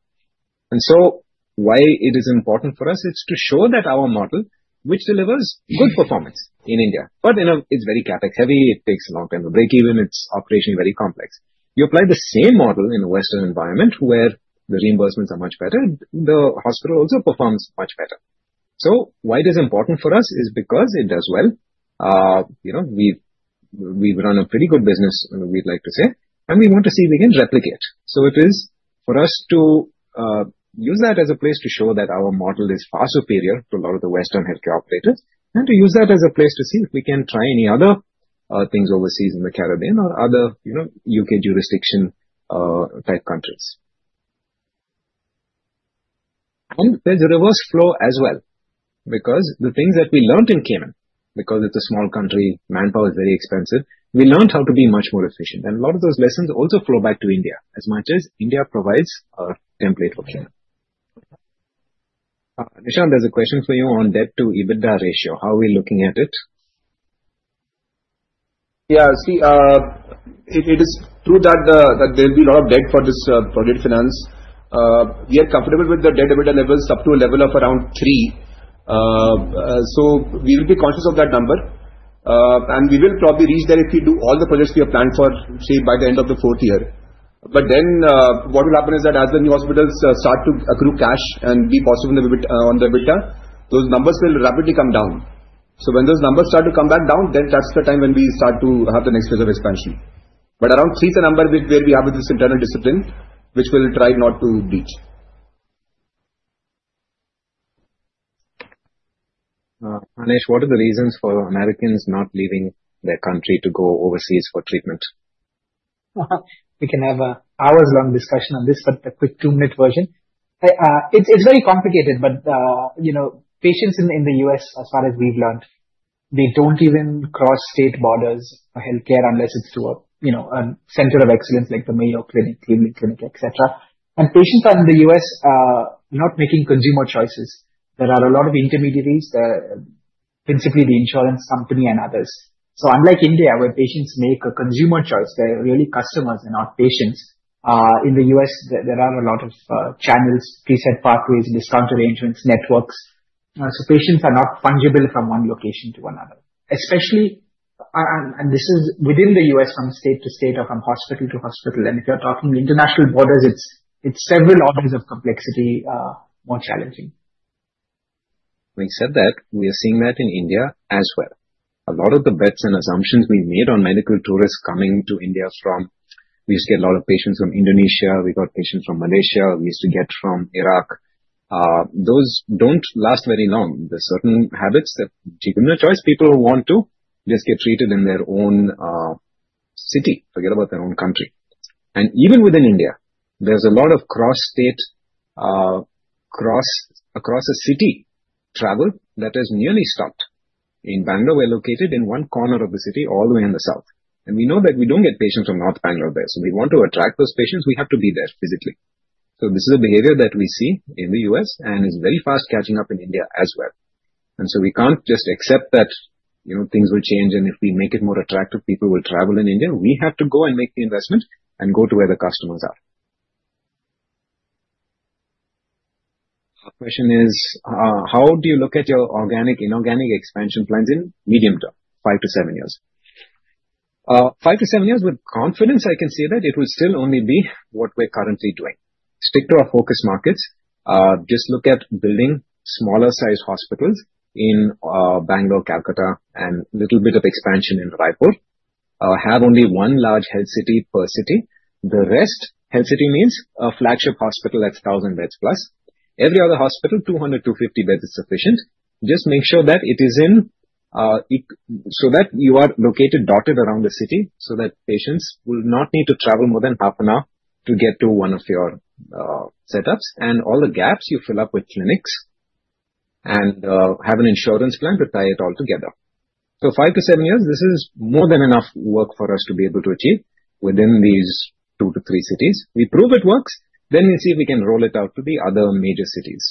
And so why it is important for us is to show that our model, which delivers good performance in India, but it's very CapEx-heavy, it takes a long time to break even, it's operationally very complex. You apply the same model in a Western environment where the reimbursements are much better, the hospital also performs much better. So why it is important for us is because it does well. We've run a pretty good business, we'd like to say, and we want to see if we can replicate. So it is for us to use that as a place to show that our model is far superior to a lot of the Western healthcare operators and to use that as a place to see if we can try any other things overseas in the Caribbean or other UK jurisdiction-type countries. And there's a reverse flow as well because the things that we learned in Cayman, because it's a small country, manpower is very expensive, we learned how to be much more efficient. And a lot of those lessons also flow back to India as much as India provides a template for Cayman. Anesh, there's a question for you on debt-to-EBITDA ratio. How are we looking at it? Yeah. See, it is true that there will be a lot of debt for this project finance. We are comfortable with the debt-to-EBITDA levels up to a level of around 3. So we will be conscious of that number. And we will probably reach there if we do all the projects we have planned for, say, by the end of the fourth year. But then what will happen is that as the new hospitals start to accrue cash and be positive on the EBITDA, those numbers will rapidly come down. So when those numbers start to come back down, then that's the time when we start to have the next phase of expansion. But around 3 is the number where we have with this internal discipline, which we'll try not to breach. Anesh, what are the reasons for Americans not leaving their country to go overseas for treatment? We can have an hours-long discussion on this, but the quick two-minute version. It's very complicated. But patients in the U.S., as far as we've learned, they don't even cross state borders for healthcare unless it's through a center of excellence like the Mayo Clinic, Cleveland Clinic, etc. And patients in the U.S. are not making consumer choices. There are a lot of intermediaries, principally the insurance company and others. So unlike India, where patients make a consumer choice, they're really customers and not patients. In the U.S., there are a lot of channels, preset pathways, discount arrangements, networks. So patients are not fungible from one location to another. And this is within the U.S. from state to state or from hospital to hospital. And if you're talking international borders, it's several orders of complexity, more challenging. We said that we are seeing that in India as well. A lot of the bets and assumptions we made on medical tourists coming to India from, we used to get a lot of patients from Indonesia. We got patients from Malaysia. We used to get from Iraq. Those don't last very long. There's certain habits that, given the choice, people who want to just get treated in their own city, forget about their own country. And even within India, there's a lot of cross-state, cross-city travel that has nearly stopped. In Bangalore, we're located in one corner of the city all the way in the south. And we know that we don't get patients from North Bangalore there. So we want to attract those patients. We have to be there physically. So this is a behavior that we see in the U.S. and is very fast catching up in India as well. And so we can't just accept that things will change, and if we make it more attractive, people will travel in India. We have to go and make the investment and go to where the customers are. Question is, how do you look at your organic, inorganic expansion plans in medium term, five to seven years? Five to seven years, with confidence, I can say that it will still only be what we're currently doing. Stick to our focus markets. Just look at building smaller-sized hospitals in Bangalore, Calcutta, and a little bit of expansion in Raipur. Have only one large health city per city. The rest, health city means a flagship hospital that's 1,000 beds plus. Every other hospital, 200, 250 beds is sufficient. Just make sure that it is in so that you are located, dotted around the city so that patients will not need to travel more than half an hour to get to one of your setups. And all the gaps, you fill up with clinics and have an insurance plan to tie it all together. So five to seven years, this is more than enough work for us to be able to achieve within these two to three cities. We prove it works. Then we'll see if we can roll it out to the other major cities.